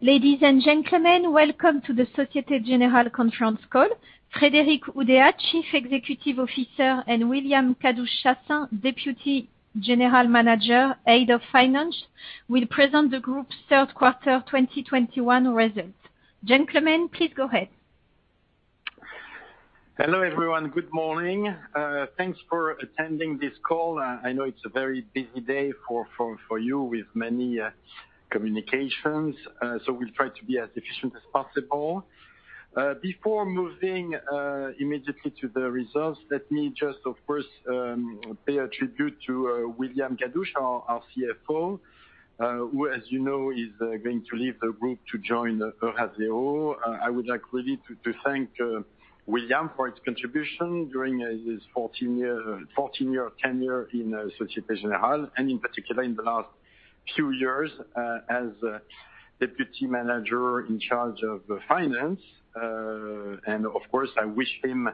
Ladies and gentlemen, welcome to the Société Générale conference call. Frédéric Oudéa, Chief Executive Officer, and William Kadouch-Chassaing, Deputy General Manager, Head of Finance, will present the group's Q3 2021 results. Gentlemen, please go ahead. Hello, everyone. Good morning. Thanks for attending this call. I know it's a very busy day for you with many communications. We'll try to be as efficient as possible. Before moving immediately to the results, let me just of course pay a tribute to William Kadouch, our CFO, who is going to leave the group to join. I would like really to thank William for his contribution during his 14-year tenure in Société Générale, and in particular in the last few years, as deputy manager in charge of finance. Of course, I wish him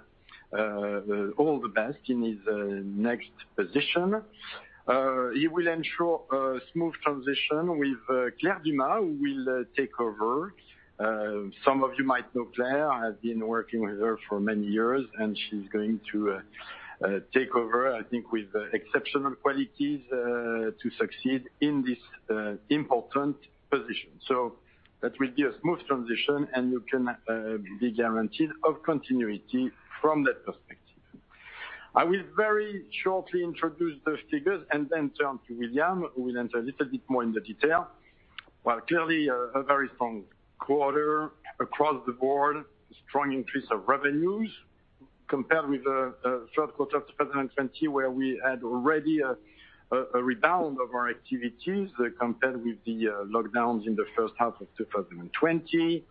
all the best in his next position. He will ensure a smooth transition with Claire Dumas who will take over. Some of you might know Claire. I've been working with her for many years, and she's going to take over, I think with exceptional qualities to succeed in this important position. That will be a smooth transition, and you can be guaranteed of continuity from that perspective. I will very shortly introduce the figures and then turn to William, who will enter a little bit more into detail. While clearly a very strong quarter across the board, strong increase of revenues compared with the Q3 of 2020, where we had already a rebound of our activities compared with the lockdowns in the first half of 2020.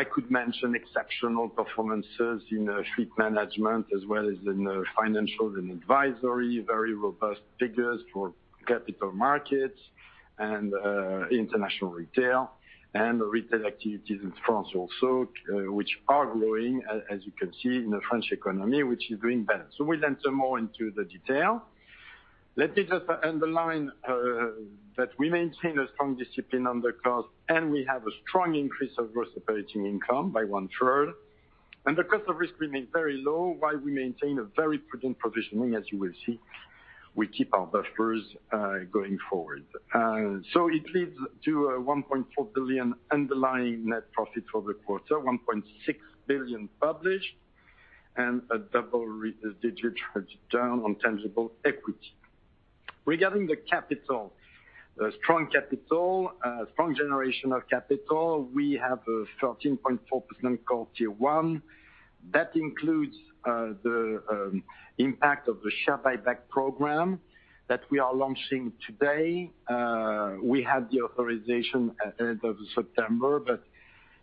I could mention exceptional performances in structuring as well as in financing and advisory. Very robust figures for capital markets and international retail and retail activities in France also, which are growing as you can see in the French economy, which is doing better. We'll enter more into the detail. Let me just underline that we maintain a strong discipline on the cost, and we have a strong increase of gross operating income by 1/3. The cost of risk remains very low while we maintain a very prudent provisioning as you will see. We keep our buffers going forward. It leads to 1.4 billion underlying net profit for the quarter, 1.6 billion published, and a double-digit return on tangible equity. Regarding the capital, strong capital generation. We have a 13.4% Core Tier 1. That includes the impact of the share buyback program that we are launching today. We had the authorization at end of September, but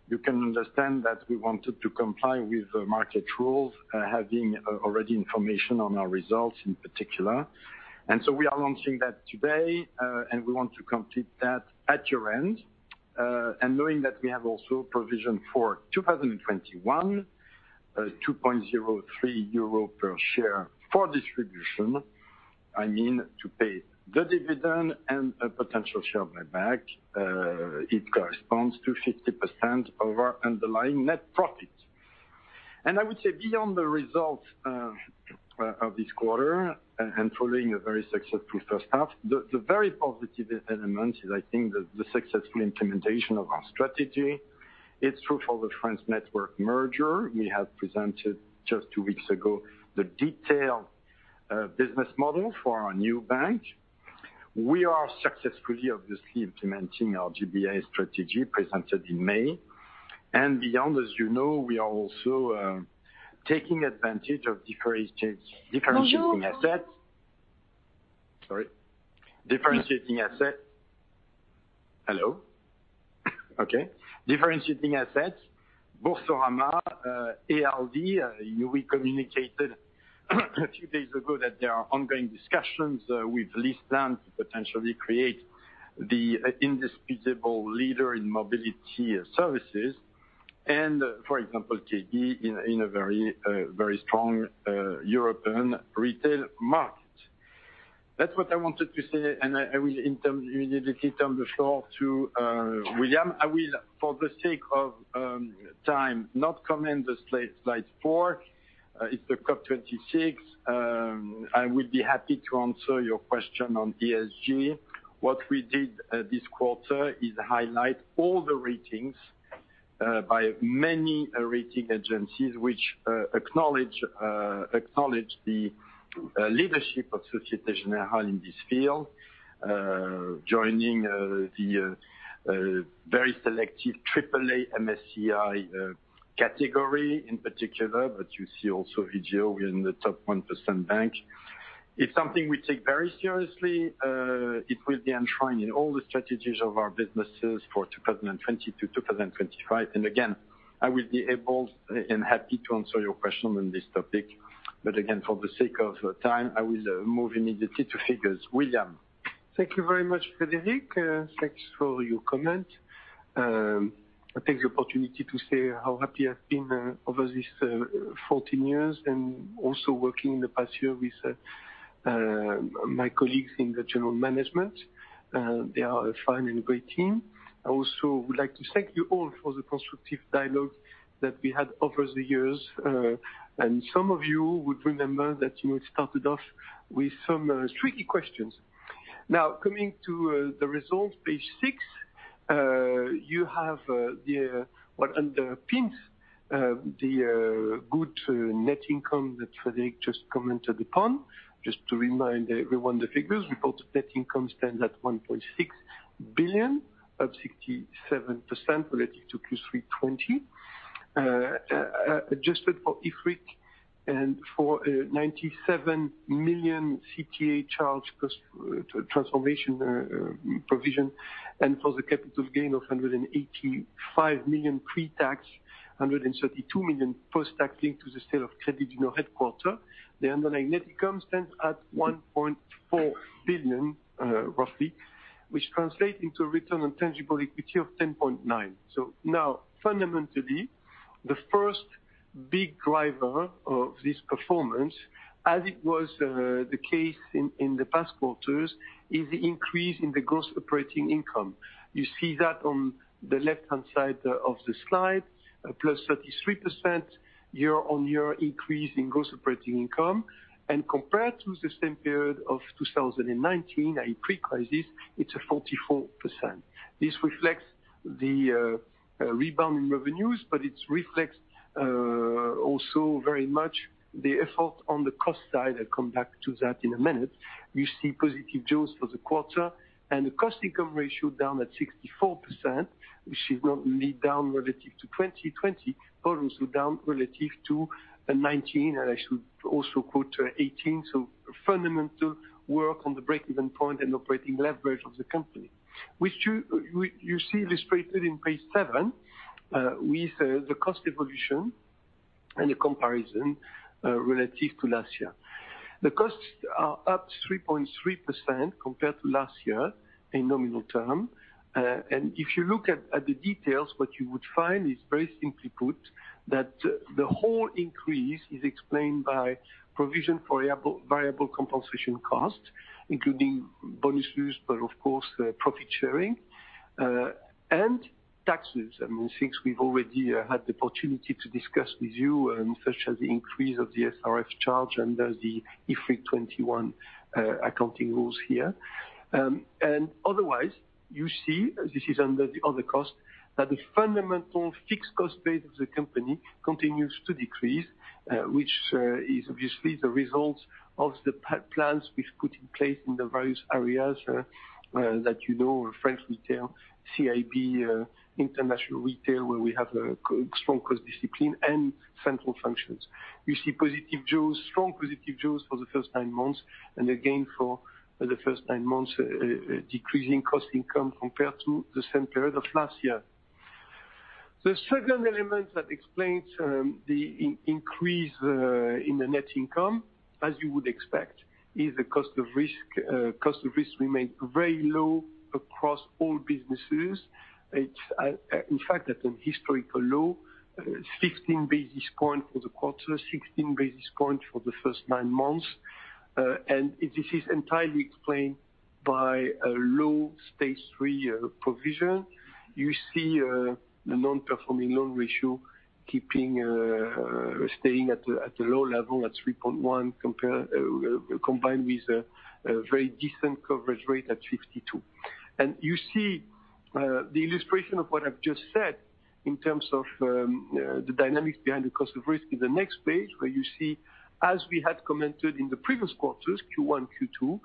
you can understand that we wanted to comply with the market rules, having already information on our results in particular. We are launching that today, and we want to complete that at year-end. Knowing that we have also provisioned for 2021, 2.03 euro per share for distribution, I mean, to pay the dividend and a potential share buyback, it corresponds to 50% of our underlying net profit. I would say beyond the results of this quarter and following a very successful first half, the very positive element is I think the successful implementation of our strategy. It's true for the French network merger. We have presented just 2 weeks ago the detailed business model for our new bank. We are successfully obviously implementing our GBA strategy presented in May. Beyond, as we are also taking advantage of differentiation. Bonjour. Differentiating assets. Boursorama, ALD, we communicated a few days ago that there are ongoing discussions with LeasePlan to potentially create the indisputable leader in mobility services and, for example, KB in a very strong European retail market. That's what I wanted to say, and I will in turn, immediately turn the floor to William. I will for the sake of time not comment the slide four. It's the COP26. I will be happy to answer your question on ESG. What we did this quarter is highlight all the ratings by many rating agencies, which acknowledge the leadership of Société Générale in this field. Joining the very selective AAA MSCI category in particular, but you see also Vigeo, we're in the top 1% bank. It's something we take very seriously. It will be enshrined in all the strategies of our businesses for 2020-2025. Again, I will be able and happy to answer your question on this topic, but again, for the sake of time, I will move immediately to figures. William? Thank you very much, Frédéric. Thanks for your comment. I take the opportunity to say how happy I've been over this 14 years and also working in the past year with my colleagues in the general management. They are a fine and a great team. I also would like to thank you all for the constructive dialogue that we had over the years. Some of you would remember that you had started off with some tricky questions. Now, coming to the results, page 6, you have the. Well, underpins the good net income that Frédéric just commented upon. Just to remind everyone the figures, reported net income stands at 1.6 billion, up 67% relative to Q3 2020. Adjusted for IFRIC and for a 97 million CTA charge cost-transformation provision, and for the capital gain of 185 million pre-tax, 132 million post-tax linked to the sale of Crédit du Nord headquarters. The underlying net income stands at 1.4 billion, roughly, which translates into a return on tangible equity of 10.9. Now, fundamentally, the first big driver of this performance, as it was the case in the past quarters, is the increase in the gross operating income. You see that on the left-hand side of the slide, a +33% year-on-year increase in gross operating income. Compared to the same period of 2019 pre-crisis, it's a 44%. This reflects the rebound in revenues, but it reflects also very much the effort on the cost side. I'll come back to that in a minute. You see positive jaws for the quarter and the cost-to-income ratio down at 64%, which is not only down relative to 2020, but also down relative to 2019, and I should also quote 2018. Fundamental work on the break-even point and operating leverage of the company, which you see illustrated in page 7 with the cost evolution and the comparison relative to last year. The costs are up 3.3% compared to last year in nominal term. If you look at the details, what you would find is very simply put that the whole increase is explained by provision for variable compensation costs, including bonuses, but of course, profit sharing, and taxes. I mean, things we've already had the opportunity to discuss with you, such as the increase of the SRF charge under the IFRIC 21 accounting rules here. Otherwise, you see, this is under the other costs, that the fundamental fixed cost base of the company continues to decrease, which is obviously the result of the plans we've put in place in the various areas, that French retail, CIB, international retail, where we have a strong cost discipline and central functions. You see positive jaws, strong positive jaws for the first 9 months. Again, for the first 9 months, decreasing cost-to-income ratio compared to the same period of last year. The second element that explains the increase in the net income, as you would expect, is the cost of risk. Cost of risk remained very low across all businesses. It's, in fact, at a historical low, 16 basis points for the quarter, 16 basis points for the first 9 months. This is entirely explained by a low Stage 3 provision. You see, the non-performing loan ratio staying at a low level at 3.1%, combined with a very decent coverage rate at 52%. You see, the illustration of what I've just said in terms of the dynamics behind the cost of risk in the next page, where you see, as we had commented in the previous quarters, Q1, Q2,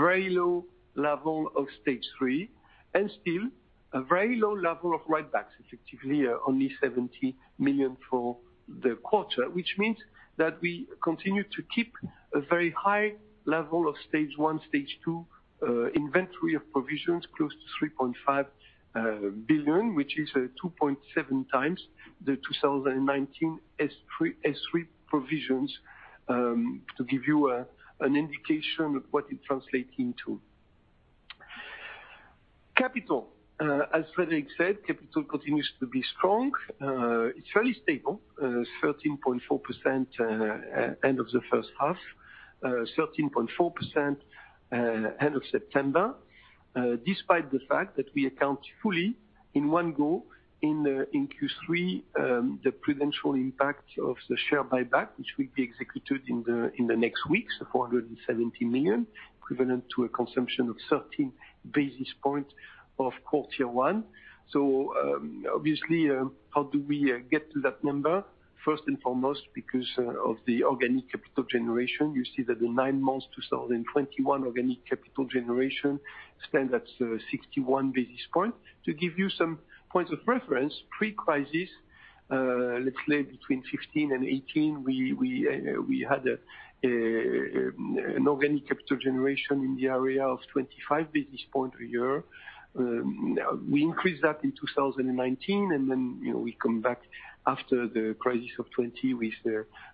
very low level of Stage 3 and still a very low level of write-backs, effectively only 70 million for the quarter. Which means that we continue to keep a very high level of Stage 1, Stageinventory of provisions, close to 3.5 billion, which is 2.7 times the 2019 S3 provisions, to give you an indication of what it translates into. Capital, as Frédéric said, continues to be strong. It's fairly stable, 13.4% end of the first half, 13.4% end of September, despite the fact that we account fully in one go in Q3, the prudential impact of the share buyback, which will be executed in the next weeks, 470 million, equivalent to a consumption of 13 basis points of CET1. Obviously, how do we get to that number? First and foremost, because of the organic capital generation. You see that the 9 months 2021 organic capital generation stands at 61 basis points. To give you some points of reference, pre-crisis, let's say between 2015 and 2018, we had an organic capital generation in the area of 25 basis points a year. We increased that in 2019, and then we come back after the crisis of 2020 with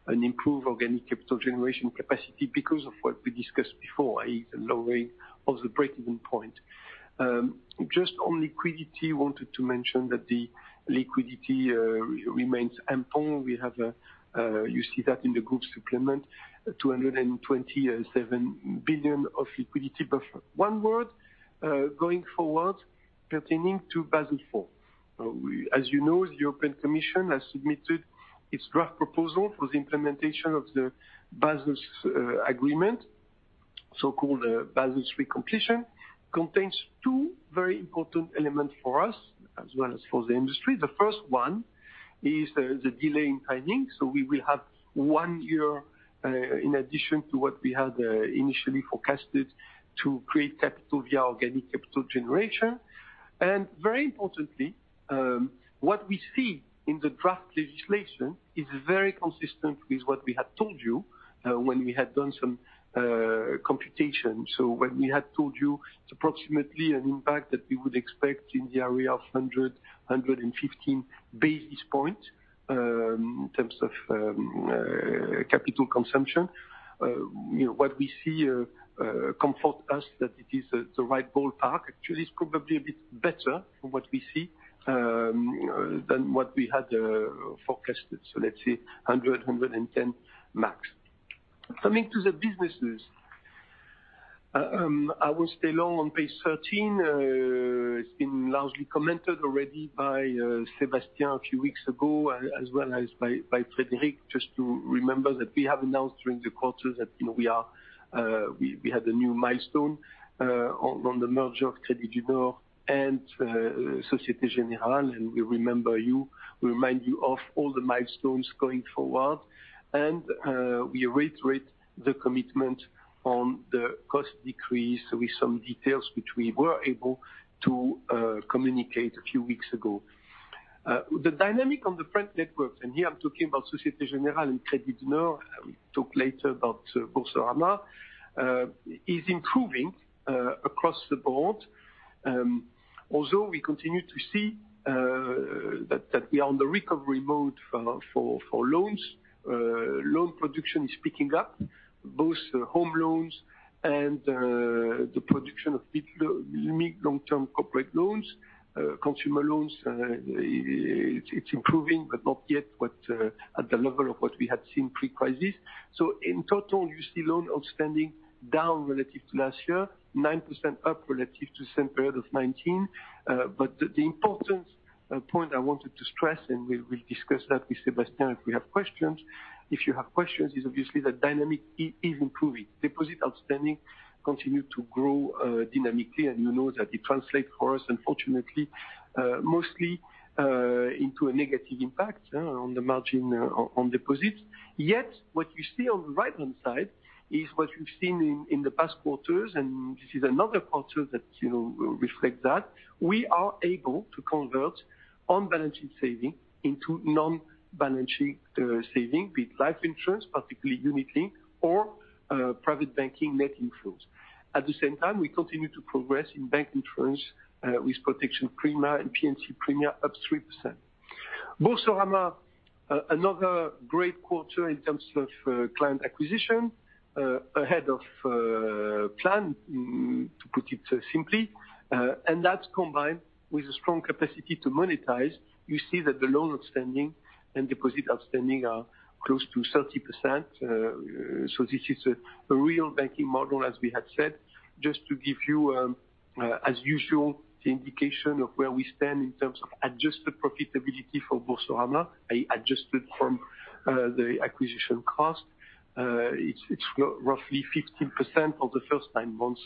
an improved organic capital generation capacity because of what we discussed before, the lowering of the break-even point. Just on liquidity, I wanted to mention that the liquidity remains ample. We have, you see that in the group supplement, 227 billion liquidity buffer. One word going forward pertaining to Basel IV. As the European Commission has submitted its draft proposal for the implementation of the Basel agreement, so-called Basel III completion, contains 2 very important elements for us as well as for the industry. The first one is the delay in timing, so we will have 1 year in addition to what we had initially forecasted to create capital via organic capital generation. Very importantly, what we see in the draft legislation is very consistent with what we had told you when we had done some computation. When we had told you it's approximately an impact that we would expect in the area of 115 basis points in terms of capital consumption. What we see comforts us that it is the right ballpark. Actually, it's probably a bit better than what we see than what we had forecasted. Let's say 110 max. Coming to the businesses. I will stay long on page 13. It's been largely commented already by Sébastien a few weeks ago as well as by Frédéric. Just to remember that we have announced during the quarter that we had a new milestone on the merger of Crédit du Nord and Société Générale. We remind you of all the milestones going forward, and we reiterate the commitment on the cost decrease with some details which we were able to communicate a few weeks ago. The dynamic on the front networks, and here I'm talking about Société Générale and Crédit du Nord, we talk later about Boursorama, is improving across the board. Although we continue to see that we are on the recovery mode for loans. Loan production is picking up both home loans and the production of mid long-term corporate loans. Consumer loans, it's improving, but not yet at the level of what we had seen pre-crisis. In total, you see loans outstanding down relative to last year, 9% up relative to same period of 2019. But the important point I wanted to stress, and we'll discuss that with Sébastien, if we have questions, if you have questions, is obviously the dynamic is improving. Deposits outstanding continue to grow dynamically, and that it translates for us, unfortunately, mostly into a negative impact on the margin on deposits. Yet, what you see on the right-hand side is what you've seen in the past quarters, and this is another quarter that reflects that. We are able to convert on-balance sheet savings into off-balance sheet savings with life insurance, particularly unit-linked or private banking net inflows. At the same time, we continue to progress in bank insurance with protection premia and P&C premia up 3%. Boursorama, another great quarter in terms of client acquisition ahead of plan, to put it simply, and that's combined with a strong capacity to monetize. You see that the loan outstanding and deposit outstanding are close to 30%. This is a real banking model, as we had said. Just to give you, as usual, the indication of where we stand in terms of adjusted profitability for Boursorama, adjusted from the acquisition cost. It's roughly 15% of the first 9 months,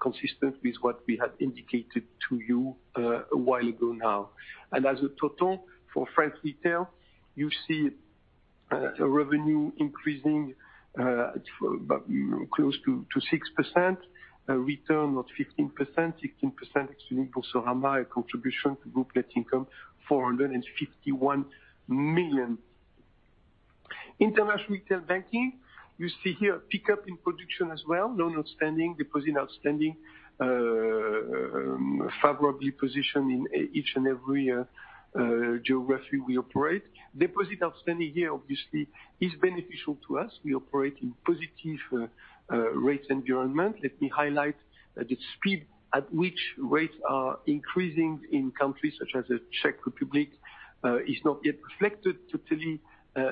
consistent with what we had indicated to you a while ago now. As a total, for French retail, you see a revenue increasing at about close to 6%, return of 15%, 16% excluding Boursorama contribution to group net income 451 million. International retail banking, you see here a pickup in production as well. Loan outstanding, deposit outstanding, favorably positioned in each and every geography we operate. Deposit outstanding here obviously is beneficial to us. We operate in positive rates environment. Let me highlight the speed at which rates are increasing in countries such as the Czech Republic is not yet reflected totally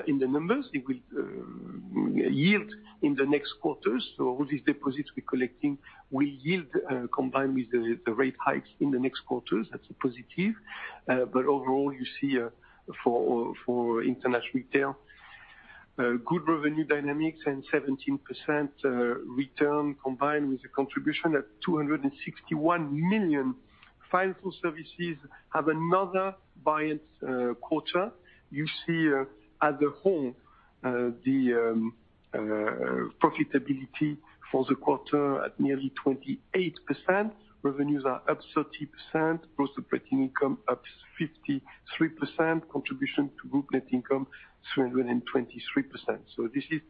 in the numbers. It will yield in the next quarters. All these deposits we're collecting will yield, combined with the rate hikes in the next quarters. That's a positive. Overall, you see, for international retail, good revenue dynamics and 17% return combined with a contribution at 261 million. Financial services have another buoyant quarter. You see, at home, the profitability for the quarter at nearly 28%. Revenues are up 30%. Gross operating income up 53%. Contribution to group net income 323 million. This is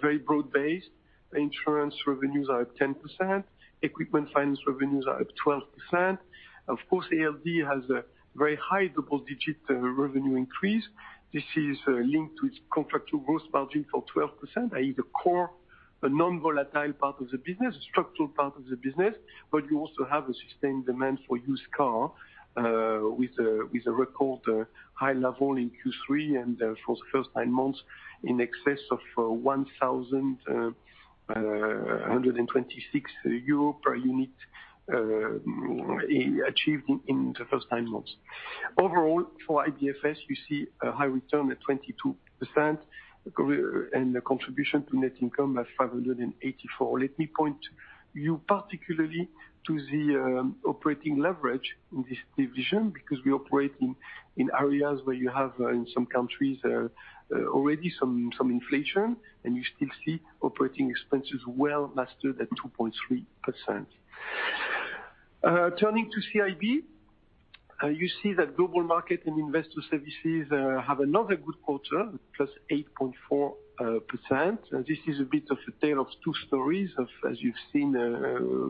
very broad-based. Insurance revenues are up 10%. Equipment finance revenues are up 12%. Of course, ALD has a very high double-digit revenue increase. This is linked to its contractual gross margin for 12%. The core, the non-volatile part of the business, structural part of the business. You also have a sustained demand for used car with a record high level in Q3 and for the first 9 months in excess of 1,126 euro per unit achieved in the first 9 months. Overall, for IBFS, you see a high return at 22% ROTE and a contribution to net income at 584. Let me point you particularly to the operating leverage in this division, because we operate in areas where you have in some countries already some inflation, and you still see operating expenses well mastered at 2.3%. Turning to CIB, you see that global market and investor services have another good quarter, +8.4%. This is a bit of a tale of two stories of, as you've seen,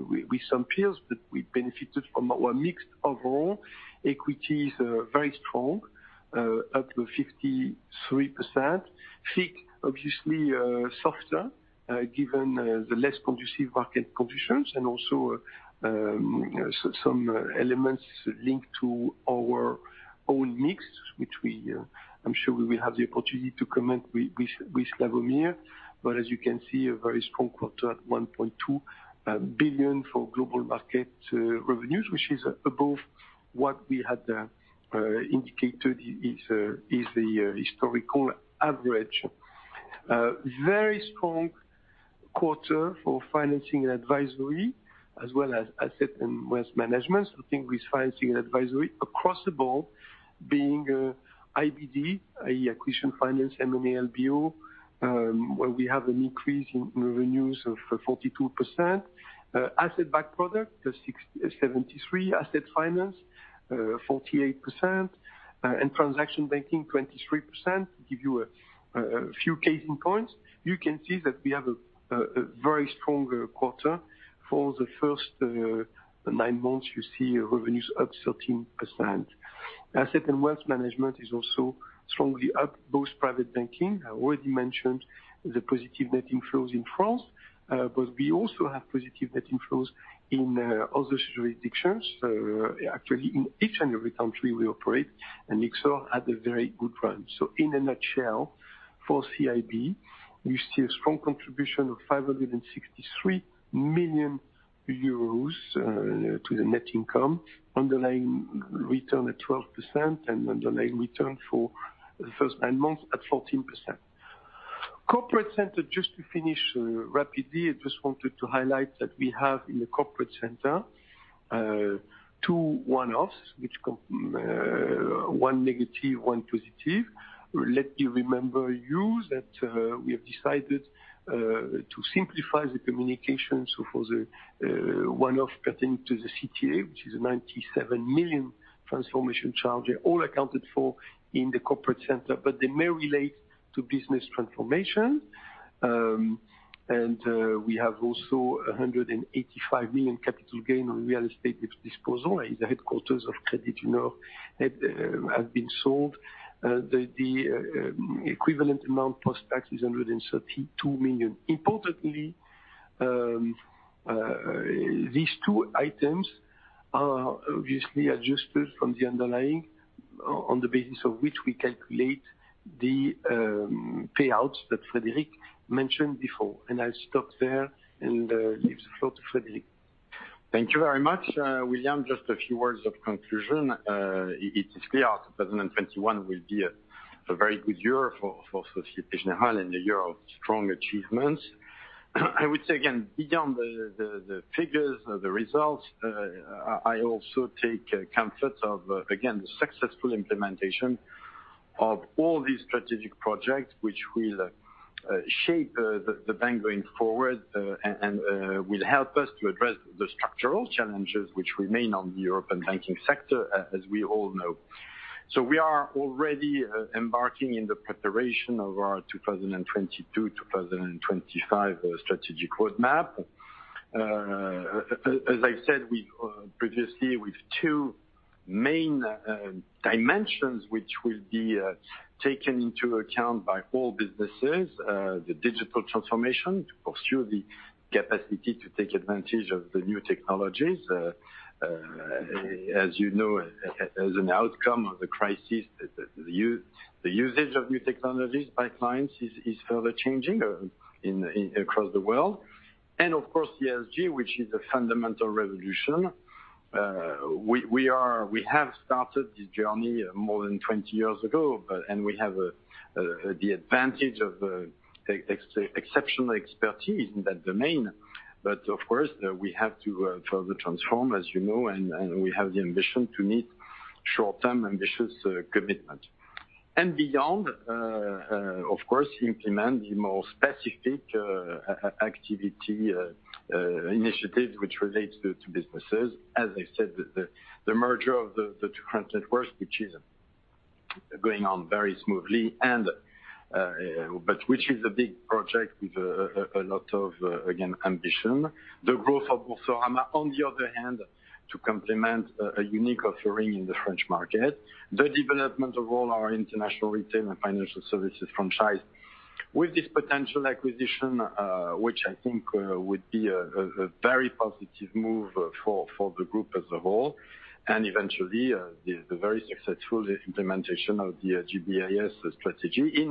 with some peers that we benefited from our mix overall. Equities are very strong, up to 53%. FIC, obviously, softer, given the less conducive market conditions and also some elements linked to our own mix, which we, I'm sure we will have the opportunity to comment with Slawomir. As you can see, a very strong quarter at 1.2 billion for global market revenues, which is above what we had indicated is the historical average. Very strong quarter for financing and advisory as well as asset and wealth management. I think with financing and advisory across the board being IBD, Acquisition Finance, M&A, LBO, where we have an increase in revenues of 42%. Asset-backed product +673. Asset finance 48%. Transaction banking 23%. To give you a few cases in point, you can see that we have a very strong quarter. For the first 9 months, you see revenues up 13%. Asset and wealth management is also strongly up, both private banking. I already mentioned the positive net inflows in France, but we also have positive net inflows in other jurisdictions. Actually, in each and every country we operate, and Luxembourg had a very good run. In a nutshell, for CIB, you see a strong contribution of 563 million euros to the net income, underlying return at 12% and underlying return for the first 9 months at 14%. Corporate Center, just to finish rapidly, I just wanted to highlight that we have in the Corporate Center two one-offs, one negative, one positive. Let me remind you that we have decided to simplify the communication. For the one-off pertaining to the CTA, which is a 97 million transformation charge, all accounted for in the Corporate Center, but it may relate to business transformation. We have also a 185 million capital gain on real estate disposal. The headquarters of Crédit du Nord had been sold. The equivalent amount post-tax is 132 million. Importantly, these two items are obviously adjusted from the underlying on the basis of which we calculate the payouts that Frédéric mentioned before. I'll stop there and leave the floor to Frédéric. Thank you very much, William. Just a few words of conclusion. It is clear that 2021 will be a very good year for Société Générale and a year of strong achievements. I would say again, beyond the figures, the results, I also take comfort of, again, the successful implementation of all these strategic projects, which will shape the bank going forward, and will help us to address the structural challenges which remain on the European banking sector, as we all know. We are already embarking in the preparation of our 2022-2025 strategic roadmap. As I've said, we previously with two main dimensions which will be taken into account by all businesses. The digital transformation to pursue the capacity to take advantage of the new technologies. As an outcome of the crisis, the usage of new technologies by clients is further changing across the world. Of course, ESG, which is a fundamental revolution. We have started this journey more than 20 years ago, but we have the advantage of exceptional expertise in that domain. Of course, we have to further transform and we have the ambition to meet short-term ambitious commitment. Beyond, of course, implement the more specific activity initiative which relates to businesses. As I said, the merger of the two current networks, which is going on very smoothly, but which is a big project with a lot of ambition again. The growth of Boursorama, on the other hand, to complement a unique offering in the French market. The development of all our international retail and financial services franchise. With this potential acquisition, which I think would be a very positive move for the group as a whole, and eventually the very successful implementation of the GBIS strategy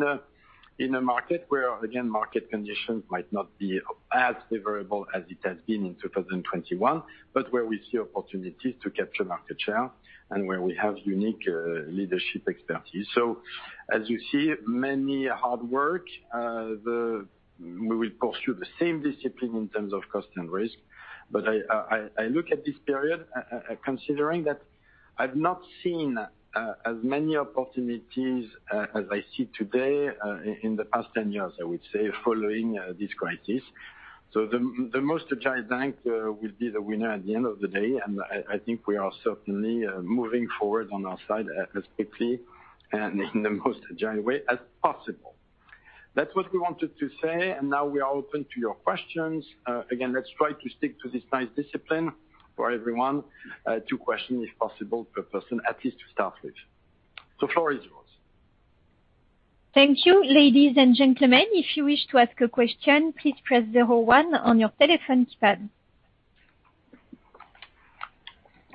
in a market where again, market conditions might not be as favorable as it has been in 2021, but where we see opportunities to capture market share and where we have unique leadership expertise. As you see, many hard work, we will pursue the same discipline in terms of cost and risk. I look at this period and considering that I've not seen as many opportunities as I see today in the past 10 years, I would say, following this crisis. The most agile bank will be the winner at the end of the day, and I think we are certainly moving forward on our side as quickly and in the most agile way as possible. That's what we wanted to say, and now we are open to your questions. Again, let's try to stick to this nice discipline for everyone, two questions, if possible, per person, at least to start with. Floor is yours. Thank you. Ladies and gentlemen, if you wish to ask a question, please press zero, one on your telephone keypad.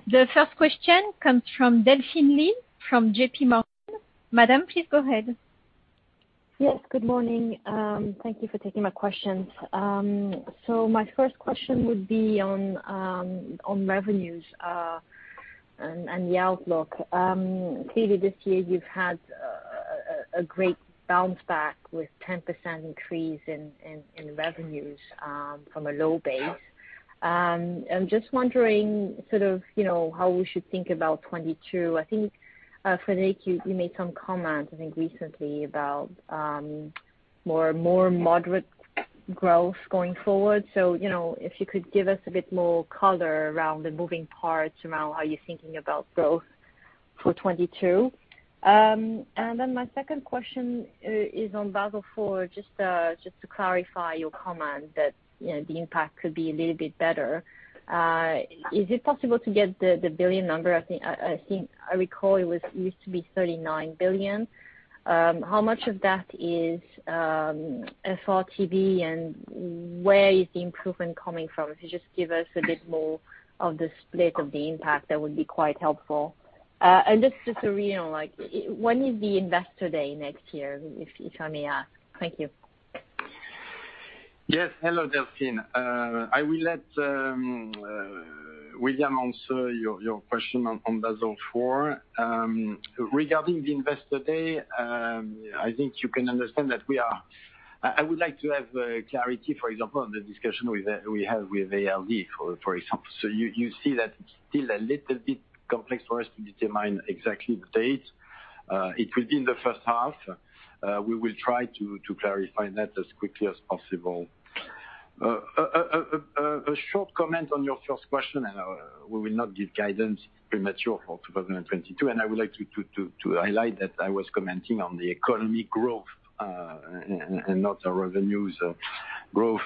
The first question comes from Delphine Lee from JP Morgan. Madam, please go ahead. Yes, good morning. Thank you for taking my questions. My first question would be on revenues and the outlook. Clearly this year you've had a great bounce back with 10% increase in revenues from a low base. I'm just wondering sort of, how we should think about 2022. I think, Frédéric, you made some comments, I think, recently about more moderate growth going forward. If you could give us a bit more color around the moving parts, around how you're thinking about growth for 2022. And then my second question is on Basel IV, just to clarify your comment that the impact could be a little bit better. Is it possible to get the billion number? I think I recall it was used to be 39 billion. How much of that is FRTB? And where is the improvement coming from? If you just give us a bit more of the split of the impact, that would be quite helpful. And just so we know, when is the investor day next year, if I may ask? Thank you. Yes. Hello, Delphine. I will let William answer your question on Basel IV. Regarding the investor day, I think you can understand that I would like to have clarity, for example, on the discussions we have with ALD, for example. You see that it's still a little bit complex for us to determine exactly the date it will be in the first half. We will try to clarify that as quickly as possible. A short comment on your first question, and we will not give premature guidance for 2022, and I would like to highlight that I was commenting on the economic growth and not the revenue growth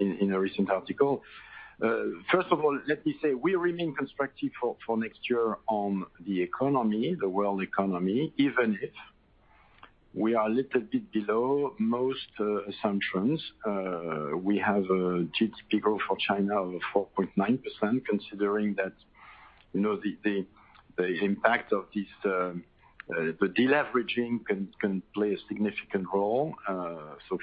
in a recent article. First of all, let me say we remain constructive for next year on the economy, the world economy, even if we are a little bit below most assumptions. We have a GDP growth for China of 4.9%, considering that the impact of this deleveraging can play a significant role.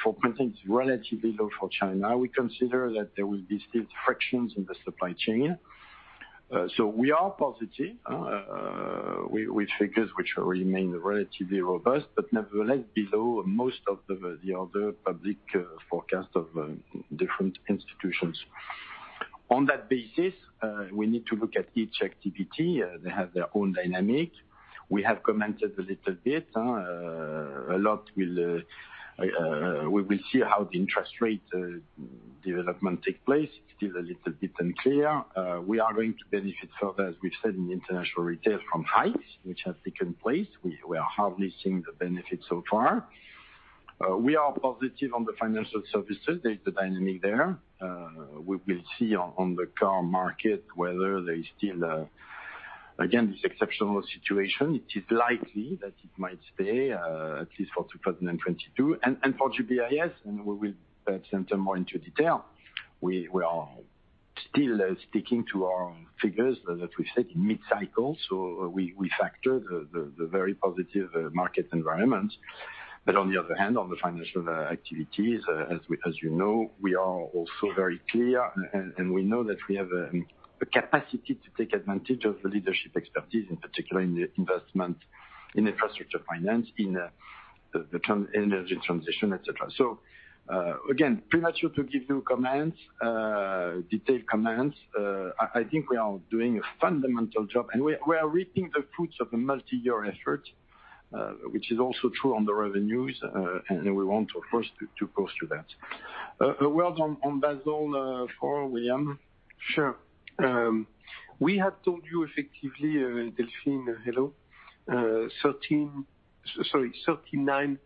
Four point nine is relatively low for China. We consider that there will be still frictions in the supply chain. We are positive with figures which remain relatively robust, but nevertheless below most of the other public forecasts of different institutions. On that basis, we need to look at each activity. They have their own dynamic. We have commented a little bit. A lot will, we will see how the interest rate development take place. It is a little bit unclear. We are going to benefit further, as we've said in international retail from hikes which have taken place. We are harvesting the benefits so far. We are positive on the financial services. There is the dynamic there. We will see on the car market whether there is still again this exceptional situation. It is likely that it might stay at least for 2022. For GBIS, we will enter more into detail, we are still sticking to our figures that we've set in mid-cycle. We factor the very positive market environment. On the other hand, on the financial activities we are also very clear and we know that we have a capacity to take advantage of the leadership expertise, in particular in the investment in infrastructure finance, in the energy transition, et cetera. Again, premature to give you comments, detailed comments. I think we are doing a fundamental job and we are reaping the fruits of a multi-year effort, which is also true on the revenues. We want of course to go through that. A word on Basel IV, William? Sure. We have told you effectively, Delphine, hello, 39, sorry,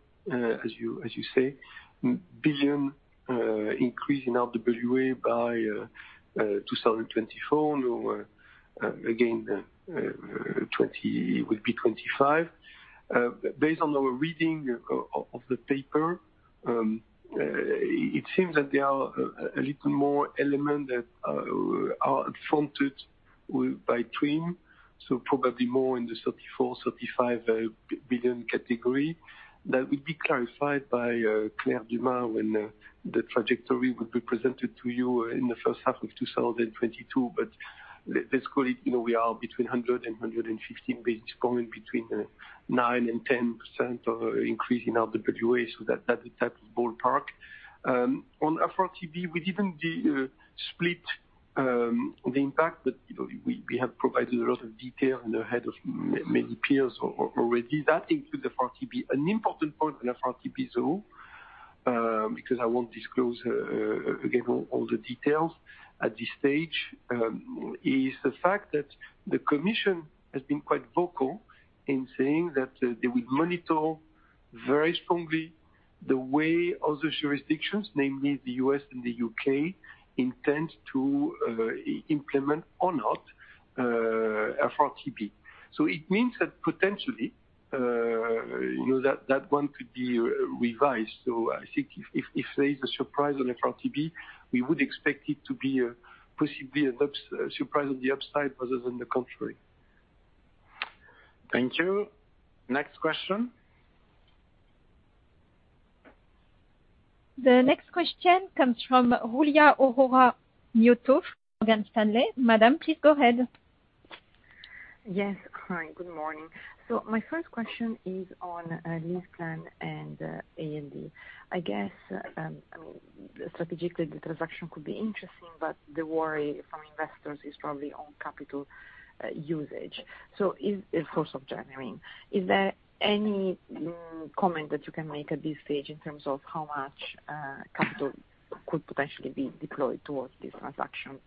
as you, as you say, 39 billion increase in RWA by 2024. No, again, 20, it would be 25. Based on our reading of the paper, it seems that there are a little more element that are fronted by TRIM, so probably more in the 34-35 billion category. That will be clarified by Claire Dumas when the trajectory will be presented to you in the first half of 2022. Let's call it, we are between 100 and 150 basis points going between 9% and 10% of increase in RWA, so that's the type of ballpark. On FRTB, we give them the split, the impact that we have provided a lot of detail ahead of many peers already. That includes FRTB. An important point on FRTB, though, because I won't disclose again all the details at this stage, is the fact that the Commission has been quite vocal in saying that they would monitor very strongly the way other jurisdictions, namely the U.S. and the U.K., intend to implement or not FRTB. It means that potentially that one could be revised. I think if there is a surprise on FRTB, we would expect it to be possibly a surprise on the upside rather than the contrary. Thank you. Next question. The next question comes from Giulia Aurora Miotto of Morgan Stanley. Madam, please go ahead. Yes. Hi, good morning. My first question is on LeasePlan and ALD. I guess, I mean, strategically the transaction could be interesting, but the worry from investors is probably on capital usage. Is there any comment that you can make at this stage in terms of how much capital could potentially be deployed towards this transaction?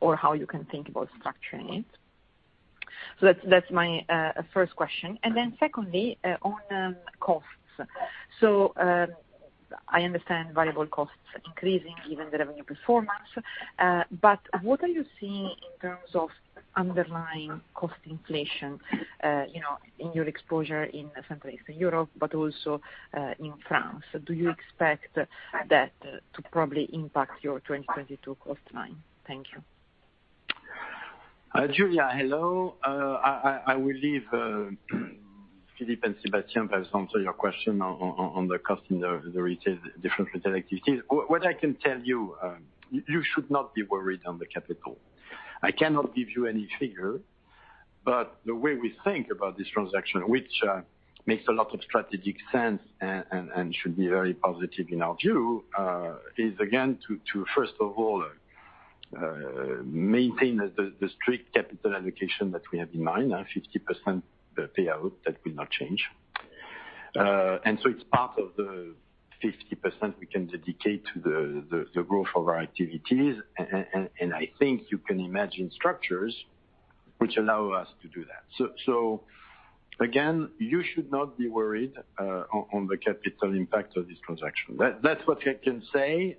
Or how you can think about structuring it? That's my first question. Secondly, on costs. I understand variable costs increasing given the revenue performance, but what are you seeing in terms of underlying cost inflation in your exposure in Central and Eastern Europe but also in France? Do you expect that to probably impact your 2022 cost line? Thank you. Giulia, hello. I will leave Philippe and Sébastien perhaps answer your question on the cost in the different retail activities. What I can tell you should not be worried on the capital. I cannot give you any figure, but the way we think about this transaction, which makes a lot of strategic sense and should be very positive in our view, is again to first of all maintain the strict capital allocation that we have in mind, 50% payout. That will not change. It's part of the 50% we can dedicate to the growth of our activities and I think you can imagine structures which allow us to do that. Again, you should not be worried on the capital impact of this transaction. That's what I can say.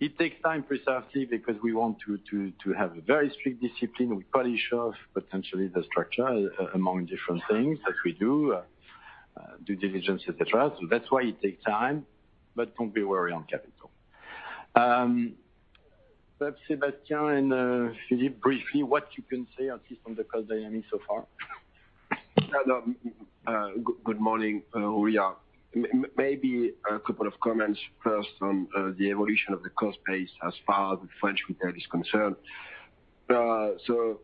It takes time precisely because we want to have a very strict discipline. We polish off potentially the structure among different things that we do, due diligence, et cetera. That's why it takes time, but don't be worried on capital. Perhaps Sébastien and Philippe, briefly, what you can say at least on the cost dynamic so far? Good morning, Giulia. Maybe a couple of comments first on the evolution of the cost base as far as the French retail is concerned.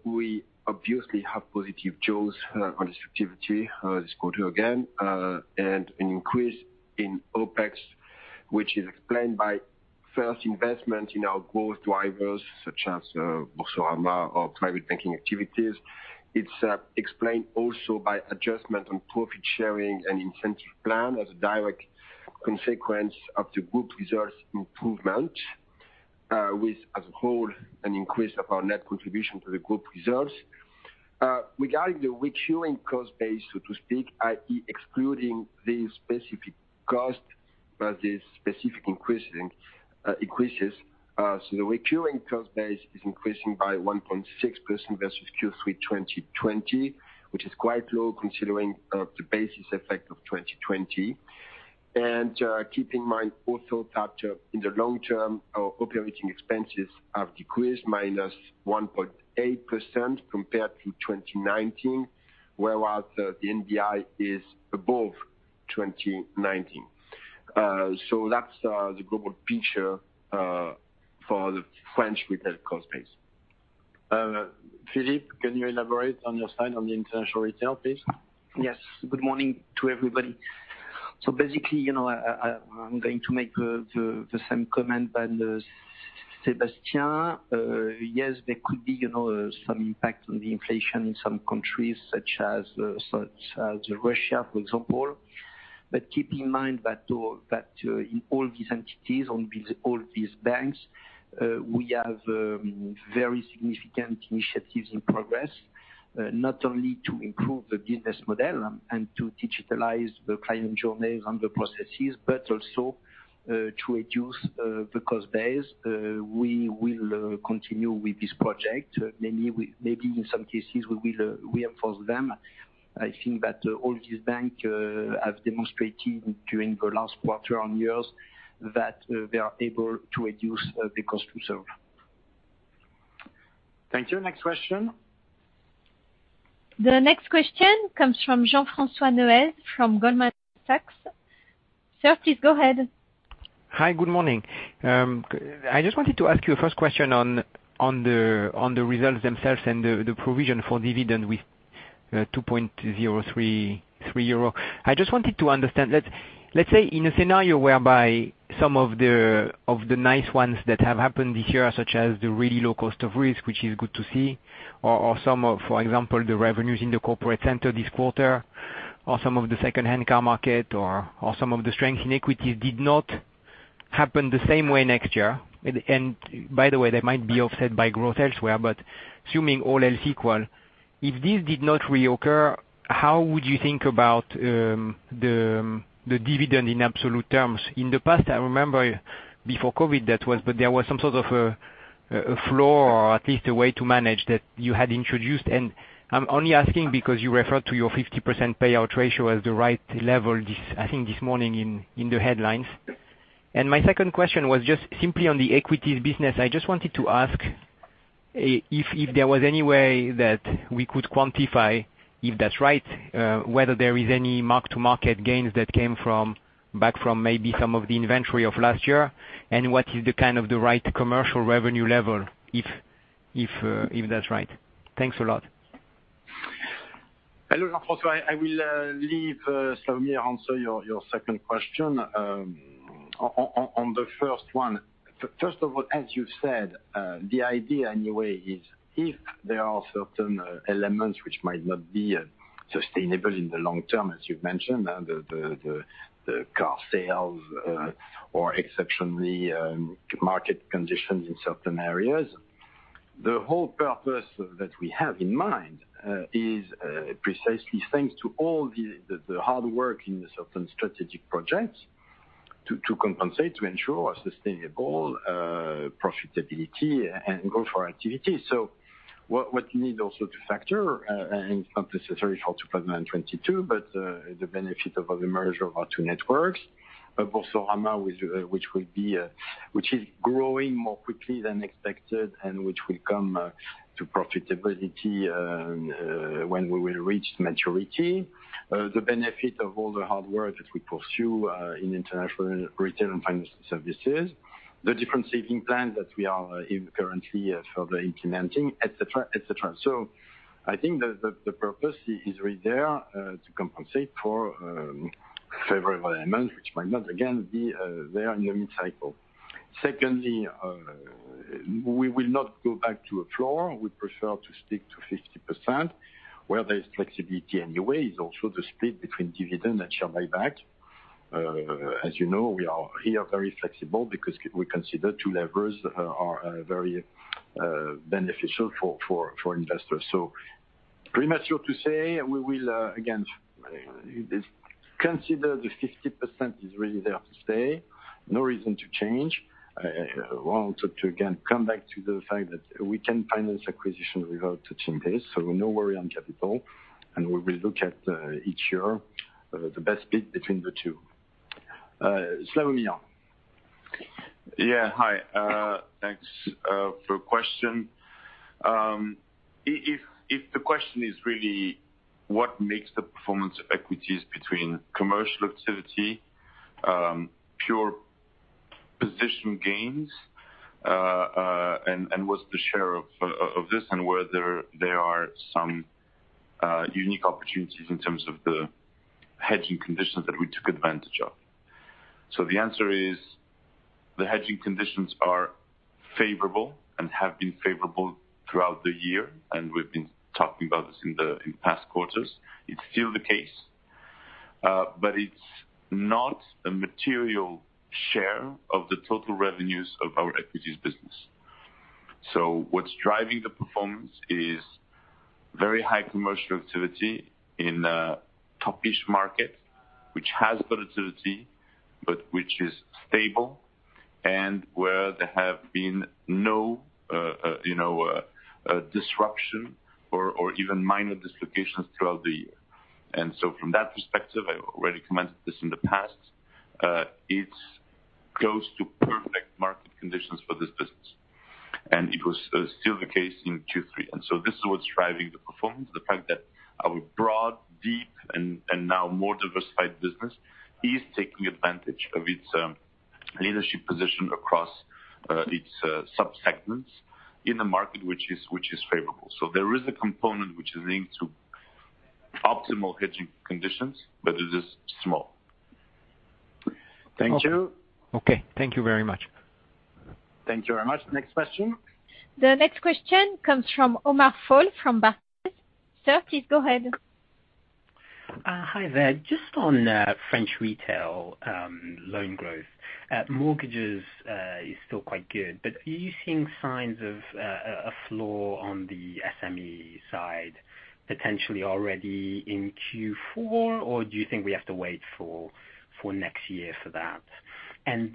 We obviously have positive jaws on this activity this quarter again, and an increase in OpEx, which is explained by first investment in our growth drivers such as Boursorama or private banking activities. It's explained also by adjustment on profit sharing and incentive plan as a direct consequence of the group results improvement, with as a whole an increase of our net contribution to the group results. Regarding the recurring cost base, so to speak, i.e., excluding these specific costs, the recurring cost base is increasing by 1.6% versus Q3 2020, which is quite low considering the basis effect of 2020. Keep in mind also that, in the long term, our operating expenses have decreased -1.8% compared to 2019, whereas the NBI is above 2019. That's the global picture for the French retail cost base. Philippe, can you elaborate on your side on the international retail, please? Yes. Good morning to everybody. Basically, I'm going to make the same comment than Sébastien. Yes, there could be some impact on the inflation in some countries such as Russia, for example. But keep in mind that in all these entities, all these banks, we have very significant initiatives in progress, not only to improve the business model and to digitalize the client journeys and the processes, but also to reduce the cost base. We will continue with this project. Maybe in some cases, we will reinforce them. I think that all these bank have demonstrated during the last quarter and years that they are able to reduce the cost to serve. Thank you. Next question. The next question comes from Jacques-Henri Gaulard from Kepler Cheuvreux. Sir, please go ahead. Hi, good morning. I just wanted to ask you a first question on the results themselves and the provision for dividend with 2.033 euro. I just wanted to understand that, let's say in a scenario whereby some of the nice ones that have happened this year, such as the really low cost of risk, which is good to see, for example, the revenues in the corporate center this quarter, or some of the second-hand car market or some of the strength in equities did not happen the same way next year. By the way, they might be offset by growth elsewhere. Assuming all else equal, if this did not reoccur, how would you think about the dividend in absolute terms? In the past, I remember before COVID, but there was some sort of a floor or at least a way to manage that you had introduced. I'm only asking because you referred to your 50% payout ratio as the right level this morning, I think, in the headlines. My second question was just simply on the equities business. I just wanted to ask if there was any way that we could quantify, if that's right, whether there is any mark-to-market gains that came back from maybe some of the inventory of last year, and what is the kind of the right commercial revenue level, if that's right. Thanks a lot. Hello, Jacques-Henri. I will leave Slawomir answer your second question. On the first one, first of all, as you said, the idea anyway is if there are certain elements which might not be sustainable in the long term, as you've mentioned, and the car sales or exceptionally market conditions in certain areas. The whole purpose that we have in mind is precisely thanks to all the hard work in the certain strategic projects to compensate, to ensure a sustainable profitability and growth for activity. What you need also to factor and not necessarily for 2022, but the benefit of all the merger of our two networks. Boursorama, which is growing more quickly than expected and which will come to profitability when we will reach maturity. The benefit of all the hard work that we pursue in international retail and financial services. The different saving plans that we are currently further implementing, et cetera, et cetera. I think the purpose is really there to compensate for favorable elements which might not again be there in the mid cycle. Secondly, we will not go back to a floor. We prefer to stick to 50% where there is flexibility anyway, is also the split between dividend and share buyback. We are here very flexible because we consider two levers are very beneficial for investors. Pretty much safe to say we will again consider the 50% is really there to stay. No reason to change. I want to again come back to the fact that we can finance acquisition without touching this, so no worry on capital, and we will look at each year the best bid between the two. Slawomir. Yeah. Hi. Thanks for the question. If the question is really what makes the performance of equities between commercial activity, pure position gains, and what's the share of this and whether there are some unique opportunities in terms of the hedging conditions that we took advantage of. The answer is the hedging conditions are favorable and have been favorable throughout the year, and we've been talking about this in past quarters. It's still the case, but it's not a material share of the total revenues of our equities business. What's driving the performance is very high commercial activity in a top-ish market which has volatility, but which is stable, and where there have been no disruption or even minor dislocations throughout the year. From that perspective, I've already commented this in the past. It's close to perfect market conditions for this business, and it was still the case in Q3. This is what's driving the performance, the fact that our broad, deep and now more diversified business is taking advantage of its leadership position across its subsegments in the market, which is favorable. There is a component which is linked to optimal hedging conditions, but it is small. Thank you. Okay. Thank you very much. Thank you very much. Next question. The next question comes from Amit Goel from Barclays. Sir, please go ahead. Hi there. Just on French retail loan growth at mortgages is still quite good, but are you seeing signs of a slowdown on the SME side potentially already in Q4, or do you think we have to wait for next year for that? On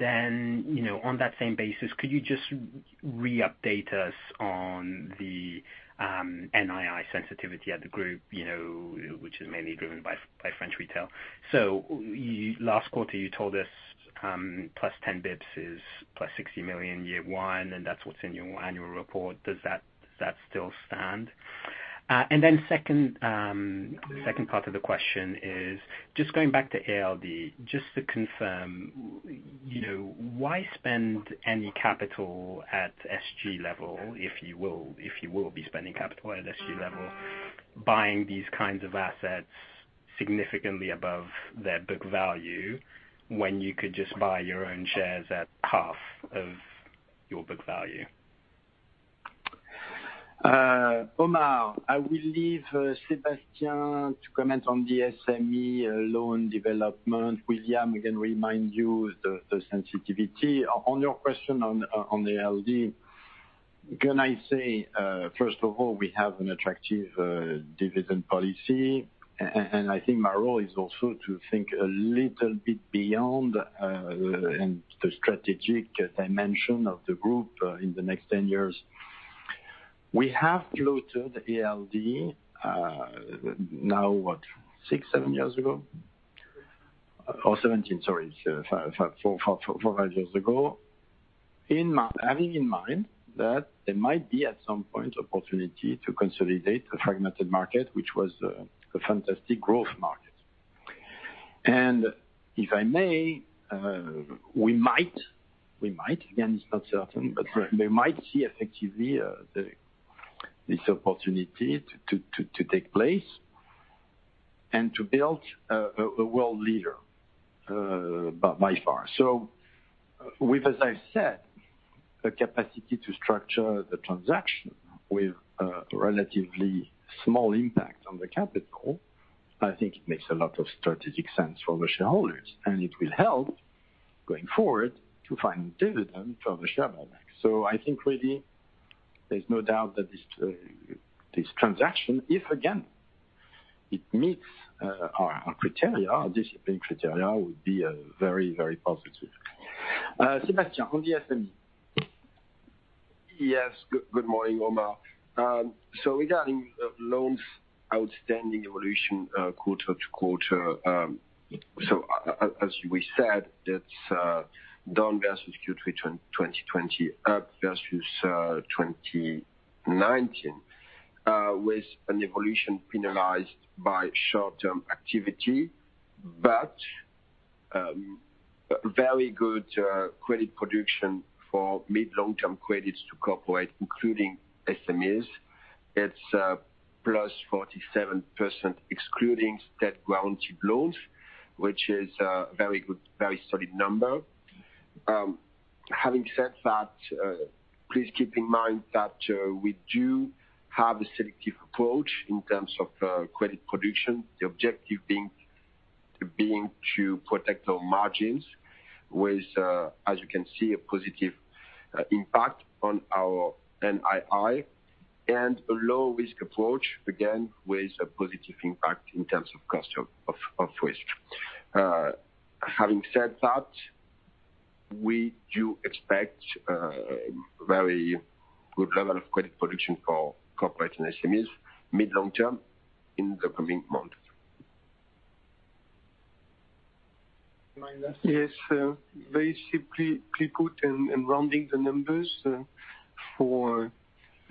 that same basis, could you just re-update us on the NII sensitivity at the group which is mainly driven by French retail. Last quarter, you told us plus 10 basis points is plus 60 million year one, and that's what's in your annual report. Does that still stand? Second part of the question is just going back to ALD, just to confirm why spend any capital at SG level if you will be spending capital at SG level, buying these kinds of assets significantly above their book value when you could just buy your own shares at half of your book value? Amit Goel, I will leave Sébastien to comment on the SME loan development. William can remind you the sensitivity. On your question on the ALD, can I say, first of all, we have an attractive dividend policy, and I think my role is also to think a little bit beyond and the strategic dimension of the group in the next 10 years. We have floated ALD now what? 6 or 7 years ago, or 17, sorry, 4 years ago. In having in mind that there might be at some point opportunity to consolidate a fragmented market, which was a fantastic growth market. If I may, we might, again, it's not certain, but we might see effectively this opportunity to take place and to build a world leader by far. With, as I said, a capacity to structure the transaction with a relatively small impact on the capital, I think it makes a lot of strategic sense for the shareholders, and it will help going forward to find dividend for the shareholders. I think really there's no doubt that this transaction, if again, it meets our criteria, our discipline criteria, would be very positive. Sébastien, on the SME. Yes. Good morning, Amit. Regarding loans outstanding evolution quarter-over-quarter, as we said, it's down versus Q3 2020, up versus 2019, with an evolution penalized by short-term activity. Very good credit production for mid- and long-term credits to corporate, including SMEs. It's +47%, excluding state-guaranteed loans, which is a very good, very solid number. Having said that, please keep in mind that we do have a selective approach in terms of credit production, the objective being to protect our margins with, as you can see, a positive impact on our NII and a low risk approach, again, with a positive impact in terms of cost of risk. Having said that, we do expect a very good level of credit production for corporate and SMEs mid to long-term in the coming months. Am I last? Yes. Very simply put and rounding the numbers, for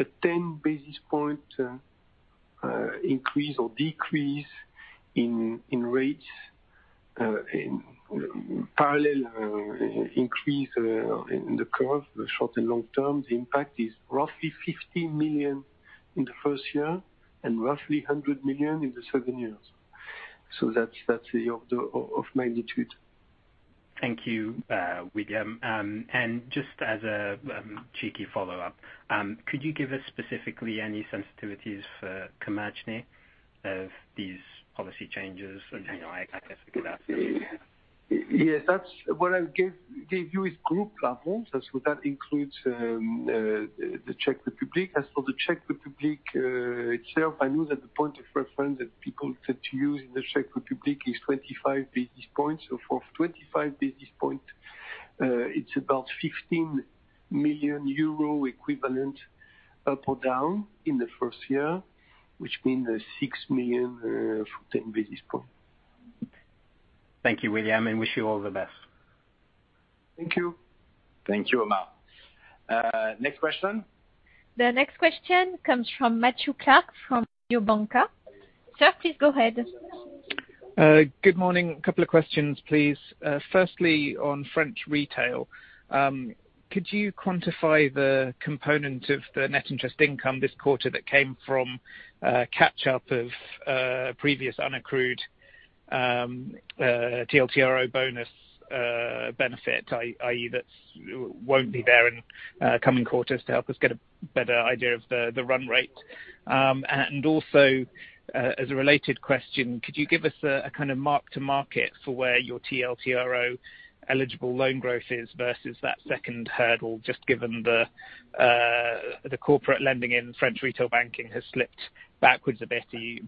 a 10 basis point increase or decrease in rates, in parallel increase in the curve, the short and long term, the impact is roughly 50 million in the first year and roughly 100 million in the 7 years. So that's the order of magnitude. Thank you, William. And just as a cheeky follow-up, could you give us specifically any sensitivities for Komerční of these policy changes? I guess we could ask for that. Yes. That's what I gave you is group levels, and that includes the Czech Republic. As for the Czech Republic itself, I know that the point of reference that people tend to use in the Czech Republic is 25 basis points. For 25 basis points, it's about 15 million euro equivalent up or down in the first year, which means 6 million for 10 basis points. Thank you, William, and I wish you all the best. Thank you. Thank you, Amal. Next question. The next question comes from Matthew Clark from Mediobanca. Sir, please go ahead. Good morning. A couple of questions, please. Firstly, on French retail, could you quantify the component of the net interest income this quarter that came from catch up of previous unaccrued TLTRO bonus benefit, i.e. that's won't be there in coming quarters to help us get a better idea of the run rate. As a related question, could you give us a kind of mark to market for where your TLTRO-eligible loan growth is versus that second hurdle, just given the corporate lending in French retail banking has slipped backwards a bit.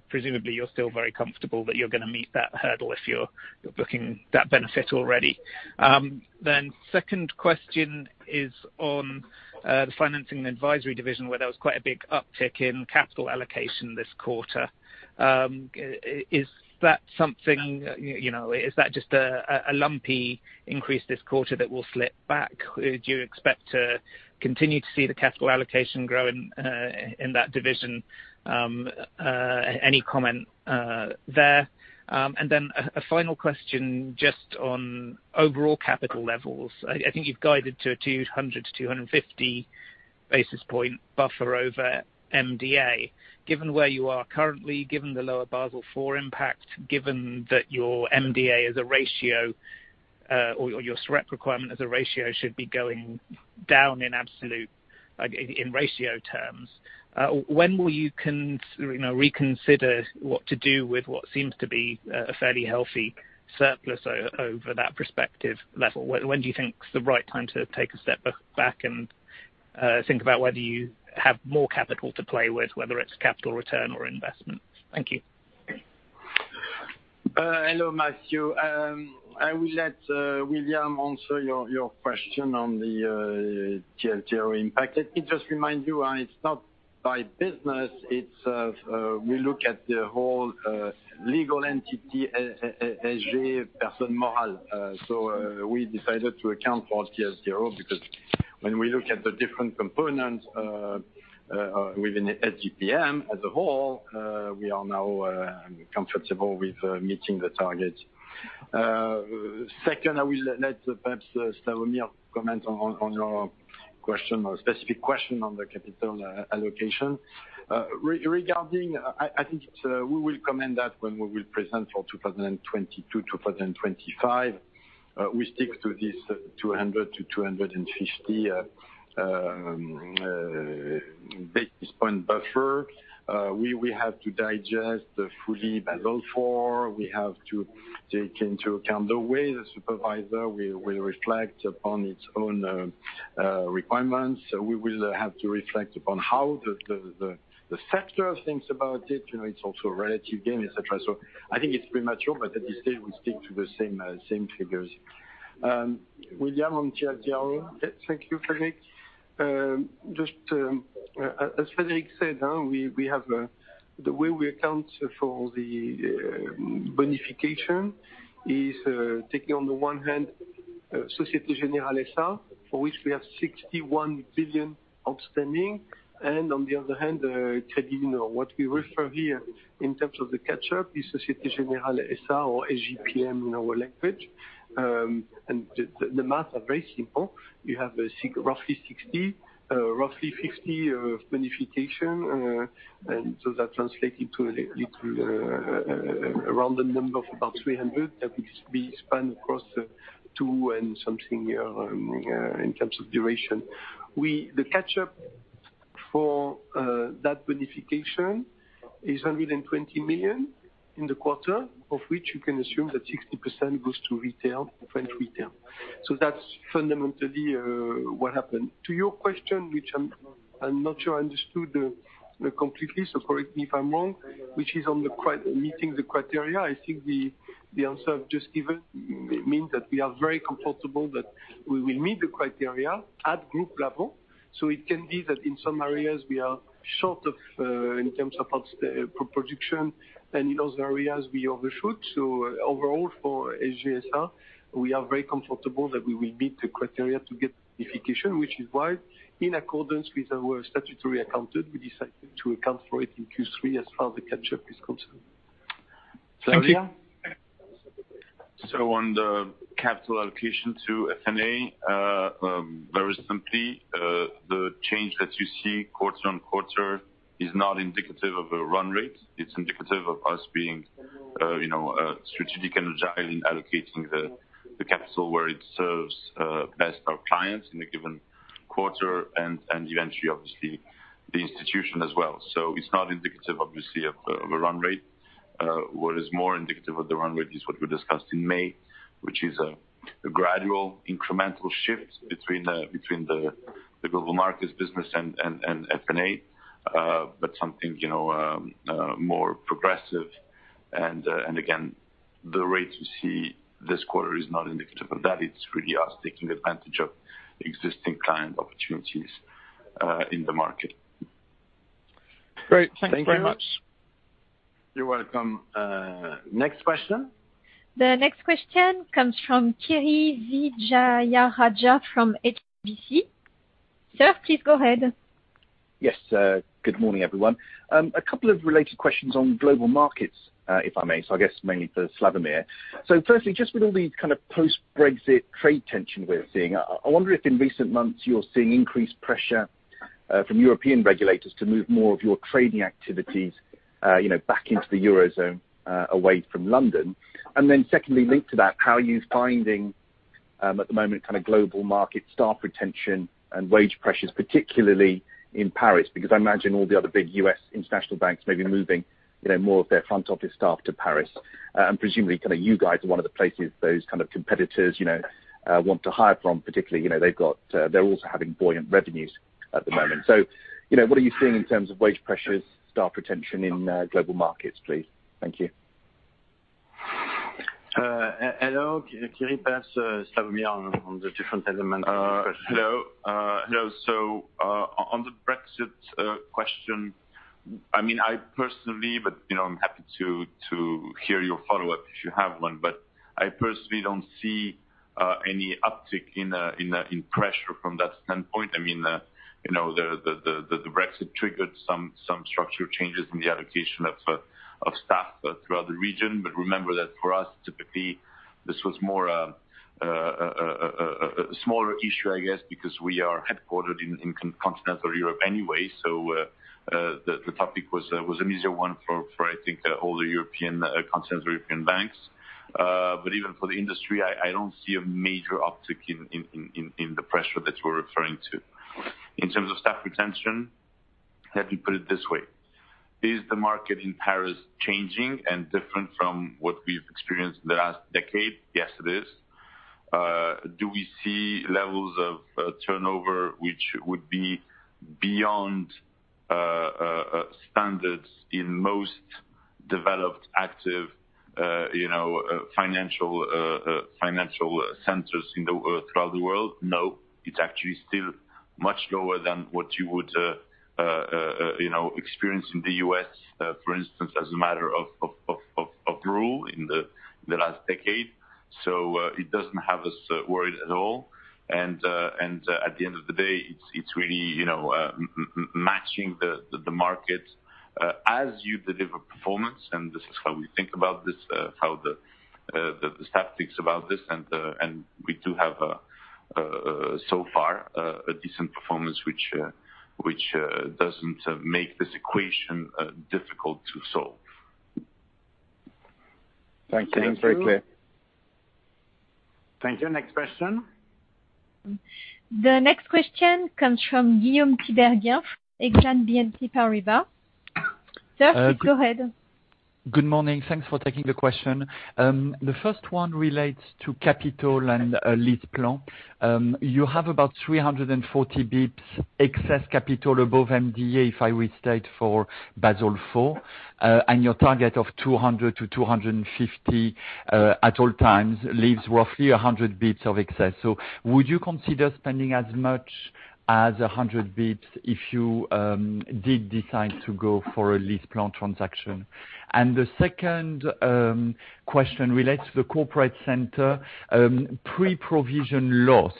Presumably, you're still very comfortable that you're gonna meet that hurdle if you're booking that benefit already. Second question is on the financing and advisory division, where there was quite a big uptick in capital allocation this quarter. Is that something, is that just a lumpy increase this quarter that will slip back? Do you expect to continue to see the capital allocation grow in that division? Any comment there? A final question just on overall capital levels. I think you've guided to a 200-250 basis point buffer over MDA. Given where you are currently, given the lower Basel IV impact, given that your MDA as a ratio, or your SREP requirement as a ratio should be going down in absolute, in ratio terms, when will reconsider what to do with what seems to be a fairly healthy surplus over that prospective level? When do you think is the right time to take a step back and think about whether you have more capital to play with, whether it's capital return or investment? Thank you. Hello, Matthew. I will let William answer your question on the TLTRO impact. Let me just remind you, it's not by business, it's we look at the whole legal entity, SG Personne Morale. We decided to account for TLTRO because when we look at the different components within SGPM as a whole, we are now comfortable with meeting the target. Second, I will let, perhaps, Slawomir comment on your question or specific question on the capital allocation. Regarding, I think it's we will comment that when we will present for 2022, 2025. We stick to this 200-250 basis point buffer. We have to digest fully Basel IV. We have to take into account the way the supervisor will reflect upon its own requirements. We will have to reflect upon how the sector thinks about it. It's also a relative gain, et cetera. I think it's premature, but at this stage we stick to the same figures. William, on TLTRO. Thank you, Frédéric. Just, as Frédéric said, we have the way we account for the bonification is taking on the one hand, Société Générale SA, for which we have 61 billion outstanding, and on the other hand, Crédit Lyonnais. What we refer here in terms of the catch up is Société Générale SA or SGPM in our language. And the math are very simple. You have roughly 60, roughly 50 of bonification, and so that translated to a rounded number of about 300 that will be spanned across 2 and something year in terms of duration. The catch up for that bonification is 120 million in the quarter, of which you can assume that 60% goes to retail, French retail. That's fundamentally what happened. To your question, which I'm not sure I understood completely, so correct me if I'm wrong, which is on meeting the criteria, I think the answer I've just given means that we are very comfortable that we will meet the criteria at group level. It can be that in some areas we are short of in terms of provisioning, and in those areas we overshoot. Overall for SGSA, we are very comfortable that we will meet the criteria to get bonification, which is why, in accordance with our statutory accountant, we decided to account for it in Q3 as far as the catch-up is concerned. Thank you. Slawomir? On the capital allocation to F&A, very simply, the change that you see quarter-on-quarter is not indicative of a run rate. It's indicative of us being strategic and agile in allocating the capital where it serves best our clients in a given quarter and eventually obviously the institution as well. It's not indicative obviously of a run rate. What is more indicative of the run rate is what we discussed in May, which is a gradual incremental shift between the global markets business and F&A, but something more progressive. Again, the rate you see this quarter is not indicative of that. It's really us taking advantage of existing client opportunities in the market. Great. Thanks very much. You're welcome. Next question. The next question comes from Kiri Vijayarajah from HSBC. Sir, please go ahead. Yes, good morning, everyone. A couple of related questions on global markets, if I may. I guess mainly for Slawomir. Firstly, just with all the kind of post-Brexit trade tension we're seeing, I wonder if in recent months you're seeing increased pressure from European regulators to move more of your trading activities back into the Eurozone, away from London. Secondly, linked to that, how are you finding at the moment kind of global market staff retention and wage pressures, particularly in Paris, because I imagine all the other big U.S. international banks may be moving more of their front office staff to Paris. Presumably, kind of you guys are one of the places those kind of competitors want to hire from, particularly, they've got, they're also having buoyant revenues at the moment. What are you seeing in terms of wage pressures, staff retention in global markets, please? Thank you. Hello. Kiri, pass Slawomir on the different elements of the question. On the Brexit question, I mean, I personally, I'm happy to hear your follow-up if you have one, but I personally don't see any uptick in pressure from that standpoint. I mean, the Brexit triggered some structural changes in the allocation of staff throughout the region. Remember that for us, typically, this was more a smaller issue, I guess, because we are headquartered in Continental Europe anyway. The topic was an easier one for, I think, all the European Continental European banks. Even for the industry, I don't see a major uptick in the pressure that you're referring to. In terms of staff retention, let me put it this way. Is the market in Paris changing and different from what we've experienced in the last decade? Yes, it is. Do we see levels of turnover which would be beyond standards in most developed, active, financial centers throughout the world? No. It's actually still much lower than what you would experience in the U.S., for instance, as a matter of course in the last decade. It doesn't have us worried at all. At the end of the day, it's really matching the market as you deliver performance, and this is how we think about this, how the staff thinks about this, and we do have so far a decent performance which doesn't make this equation difficult to solve. Thank you. That's very clear. Thank you. Next question. The next question comes from Guillaume Tiberghien, Exane BNP Paribas. Sir, please go ahead. Good morning. Thanks for taking the question. The first one relates to capital and LeasePlan. You have about 340 bps excess capital above MDA, if I restate for Basel IV. And your target of 200-250 at all times leaves roughly 100 bps of excess. Would you consider spending as much as 100 bps if you did decide to go for a LeasePlan transaction? The second question relates to the corporate center, pre-provision loss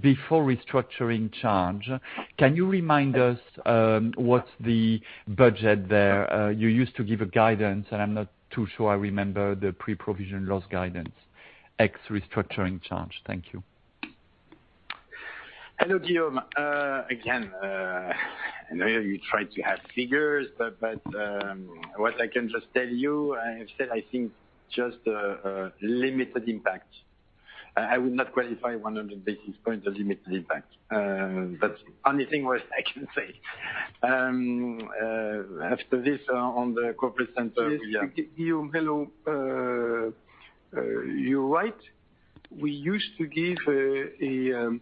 before restructuring charge. Can you remind us what's the budget there? You used to give a guidance, and I'm not too sure I remember the pre-provision loss guidance, ex-restructuring charge. Thank you. Hello, Guillaume. Again, I know you try to have figures, but what I can just tell you, I have said I think just a limited impact. I would not qualify 100 basis points a limited impact. That's the only thing what I can say. After this, on the Corporate Center. Yes. Guillaume, hello. You're right. We used to give guidance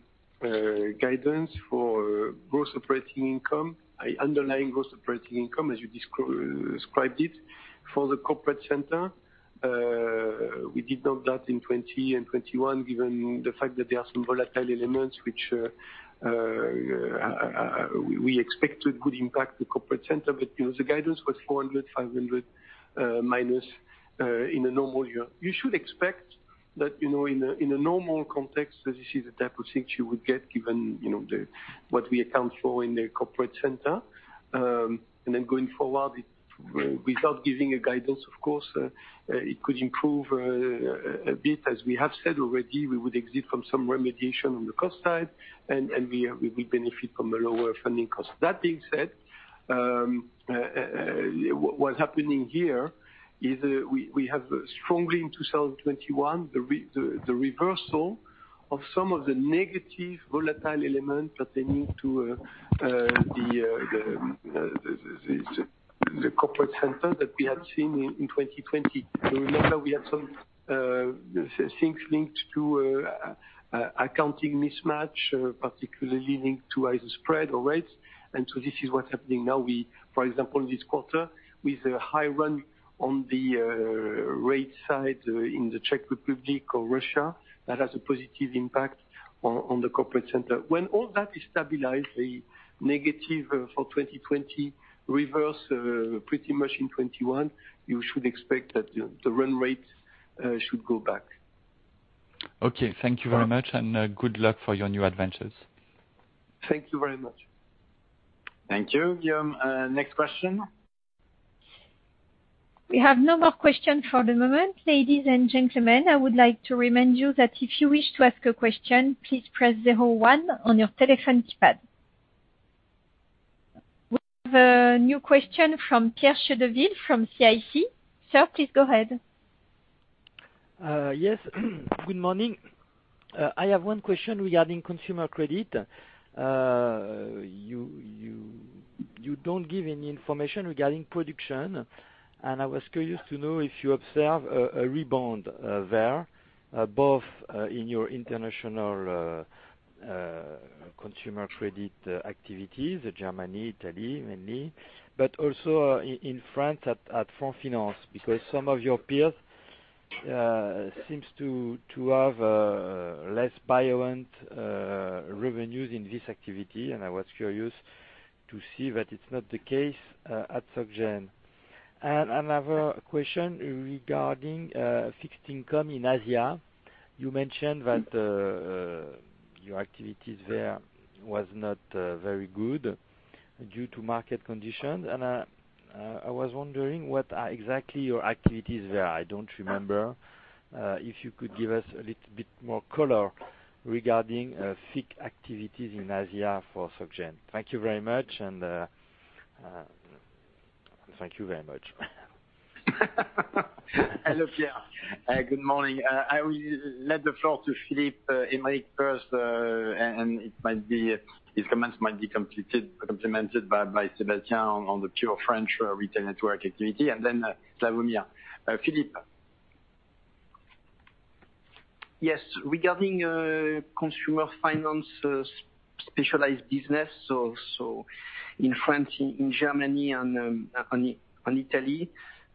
for gross operating income, an underlying gross operating income, as you described it, for the corporate center. We did note that in 2020 and 2021, given the fact that there are some volatile elements which we expect would impact the corporate center the guidance was 400-500 minus in a normal year. You should expect that in a normal context, that this is the type of things you would get given what we account for in the corporate center. Then going forward, it without giving a guidance, of course, it could improve a bit. As we have said already, we would exit from some remediation on the cost side, and we benefit from a lower funding cost. That being said, what's happening here is we have strongly in 2021 the reversal of some of the negative volatile elements that pertain to the corporate center that we had seen in 2020. Remember we had some things linked to accounting mismatch, particularly linked to either spread or rates. This is what's happening now. For example, this quarter, with higher rates in the Czech Republic or Russia, that has a positive impact on the corporate center. When all that is stabilized, the negative for 2020 reverse, pretty much in 2021, you should expect that the run rate should go back. Okay, thank you very much, and good luck for your new adventures. Thank you very much. Thank you, Guillaume. Next question. We have no more question for the moment. Ladies and gentlemen, I would like to remind you that if you wish to ask a question, please press zero, one on your telephone keypad. We have a new question from Pierre Chédeville from CIC. Sir, please go ahead. Yes. Good morning. I have one question regarding consumer credit. You don't give any information regarding production, and I was curious to know if you observe a rebound there, both in your international consumer credit activities, Germany, Italy mainly, but also in France at Franfinance because some of your peers seems to have less buoyant revenues in this activity. I was curious to see that it's not the case at Soc Gen. Another question regarding fixed income in Asia. You mentioned that your activities there was not very good due to market conditions, and I was wondering what are exactly your activities there. I don't remember if you could give us a little bit more color regarding FIC activities in Asia for Soc Gen. Thank you very much. Hello, Pierre. Good morning. I will give the floor to Philippe and Eric first, and it might be his comments might be complemented by Sébastien on the pure French retail network activity, and then Slawomir. Philippe. Yes. Regarding consumer finance, specialized business, so in France, in Germany and Italy,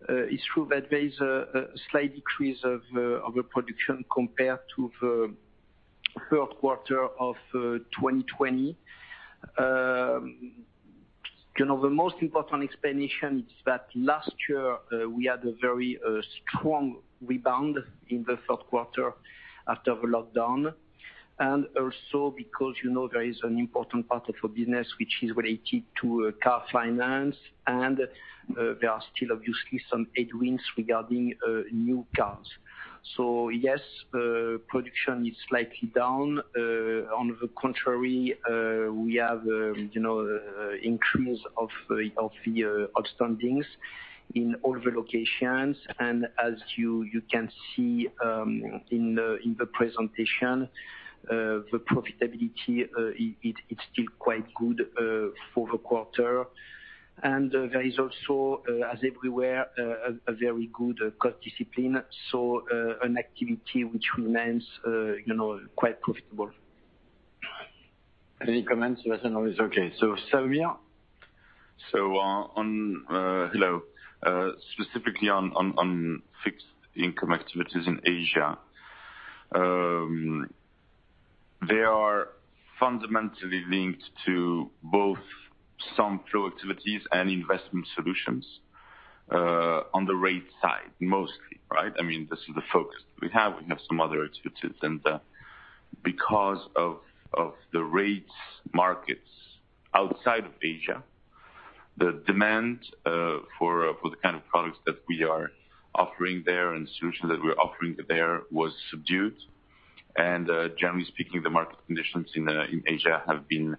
it's true that there is a slight decrease of production compared to the Q3 of 2020. The most important explanation is that last year, we had a very strong rebound in the Q3 after the lockdown, and also because there is an important part of our business which is related to car finance and there are still obviously some headwinds regarding new cars. Yes, production is slightly down. On the contrary, we have increase of the outstandings in all the locations. As you can see in the presentation, the profitability it's still quite good for the quarter. There is also, as everywhere, a very good cost discipline, so an activity which remains quite profitable. Any comments? Otherwise, okay. Slawomir. Specifically on fixed income activities in Asia, they are fundamentally linked to both some flow activities and investment solutions on the rate side mostly, right? I mean, this is the focus that we have. We have some other activities. Because of the rates markets outside of Asia, the demand for the kind of products that we are offering there and solutions that we're offering there was subdued. Generally speaking, the market conditions in Asia have been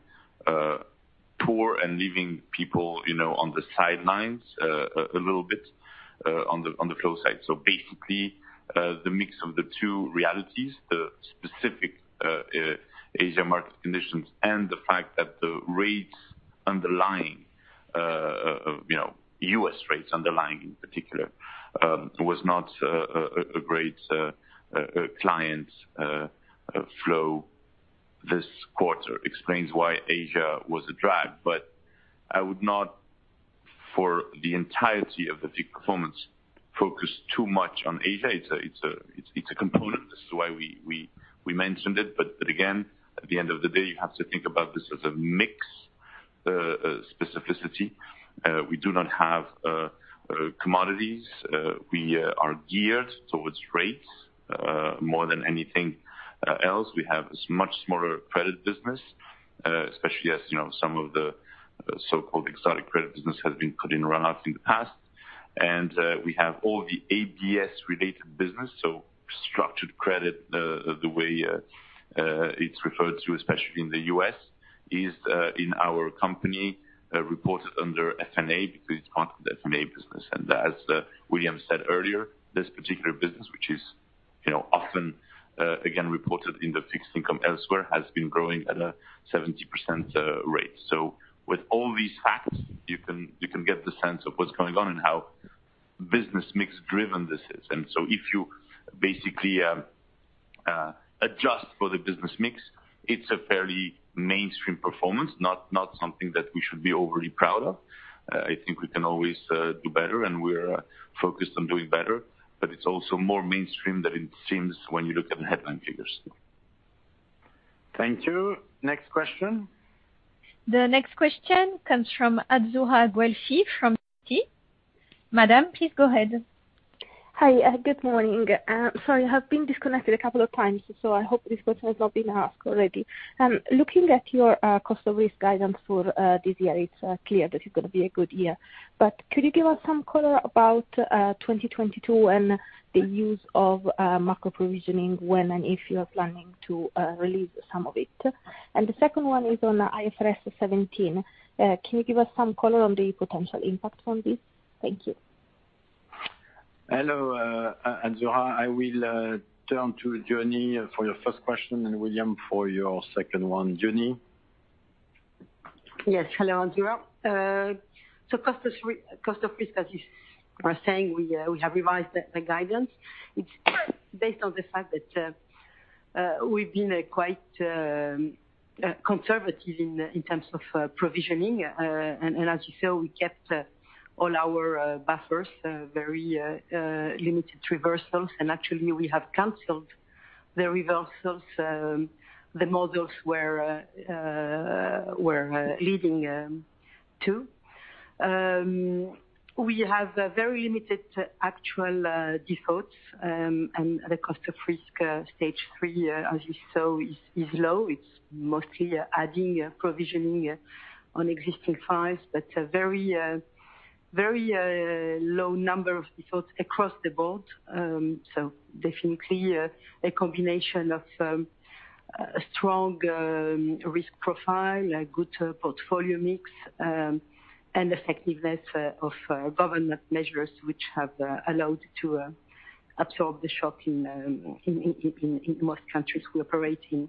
poor and leaving people on the sidelines a little bit on the flow side. Basically, the mix of the 2 realities, the specific Asia market conditions and the fact that the rates underlying, U.S. rates underlying in particular, was not a great client flow this quarter explains why Asia was a drag. I would not, for the entirety of the FIC performance, focus too much on Asia. It's a component. This is why we mentioned it. Again, at the end of the day, you have to think about this as a mix specificity. We do not have commodities. We are geared towards rates more than anything else. We have a much smaller credit business, especially as some of the so-called exotic credit business has been put in run-off in the past. We have all the ABS related business, so structured credit, the way it's referred to, especially in the U.S., in our company, reported under F&A because it's part of the F&A business. As William said earlier, this particular business, which is, often again, reported in the fixed income elsewhere, has been growing at a 70% rate. With all these facts, you can get the sense of what's going on and how business mix driven this is. If you basically adjust for the business mix, it's a fairly mainstream performance, not something that we should be overly proud of. I think we can always do better, and we're focused on doing better. It's also more mainstream than it seems when you look at the headline figures. Thank you. Next question. The next question comes from Azzurra Guelfi from Citi. Madam, please go ahead. Hi, good morning. Sorry, I have been disconnected a couple of times, so I hope this question has not been asked already. Looking at your cost of risk guidance for this year, it's clear that it's gonna be a good year. Could you give us some color about 2022 and the use of macro provisioning when and if you are planning to release some of it? The second one is on the IFRS 17. Can you give us some color on the potential impact on this? Thank you. Hello, Azzurra. I will turn to Jenny for your first question and William for your second one. Jenny. Yes, hello, Azzurra. Cost of risk, as you are saying, we have revised the guidance. It's based on the fact that we've been quite conservative in terms of provisioning. As you saw, we kept all our buffers very limited reversals. Actually, we have canceled the reversals the models were leading to. We have a very limited actual defaults, and the cost of risk Stage 3, as you saw, is low. It's mostly adding provisioning on existing files, but a very low number of defaults across the board. Definitely a combination of a strong risk profile, a good portfolio mix, and effectiveness of government measures, which have allowed to absorb the shock in most countries we operate in.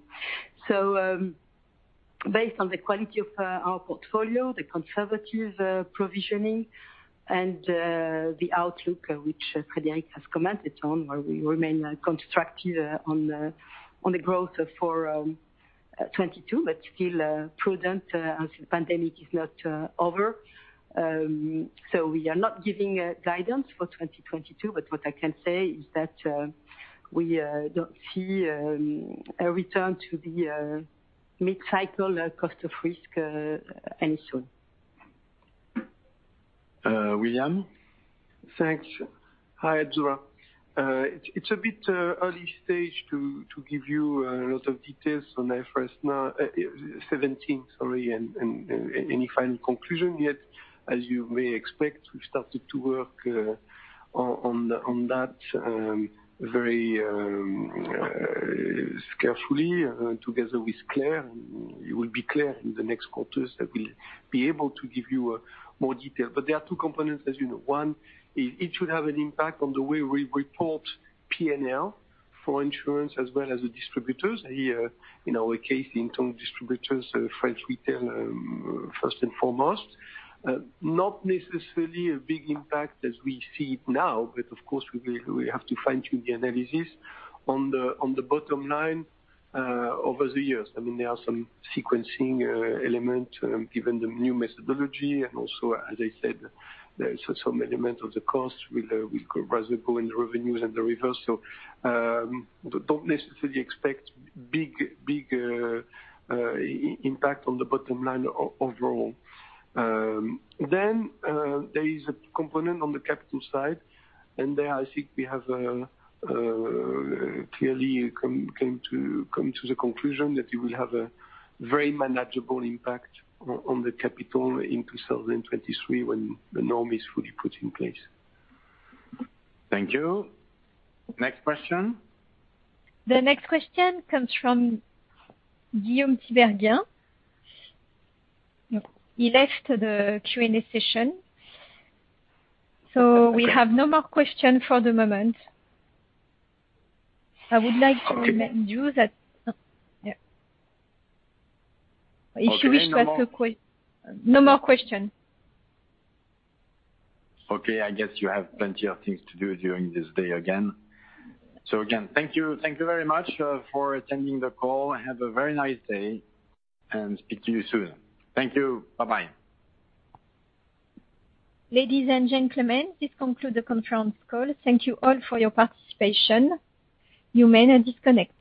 Based on the quality of our portfolio, the conservative provisioning and the outlook which Frédéric has commented on, where we remain constructive on the growth for 2022, but still prudent as the pandemic is not over. We are not giving a guidance for 2022, but what I can say is that we don't see a return to the mid-cycle cost of risk any time soon. William. Thanks. Hi, Azzurra. It's a bit early stage to give you a lot of details on IFRS 17, sorry, and any final conclusion yet, as you may expect. We started to work on that very carefully together with Claire. It will be clear in the next quarters that we'll be able to give you more detail. There are two components. One is it should have an impact on the way we report P&L for insurance as well as the distributors. Here in our case, in terms of distributors, French Retail first and foremost. Not necessarily a big impact as we see it now, but of course we have to fine-tune the analysis on the bottom line over the years. I mean, there are some sequencing element given the new methodology, and also as I said, there is some element of the cost as we go in the revenues and the reversal. But don't necessarily expect big impact on the bottom line overall. There is a component on the capital side. There I think we have clearly come to the conclusion that we will have a very manageable impact on the capital in 2023 when the norm is fully put in place. Thank you. Next question. The next question comes from Guillaume Tiberghien. He left the Q&A session, so we have no more question for the moment. I would like to remind you that. Yeah. If you wish to ask a question. No more? No more question. Okay. I guess you have plenty of things to do during this day again. Again, thank you. Thank you very much for attending the call. Have a very nice day and speak to you soon. Thank you. Bye-bye. Ladies and gentlemen, this concludes the conference call. Thank you all for your participation. You may now disconnect.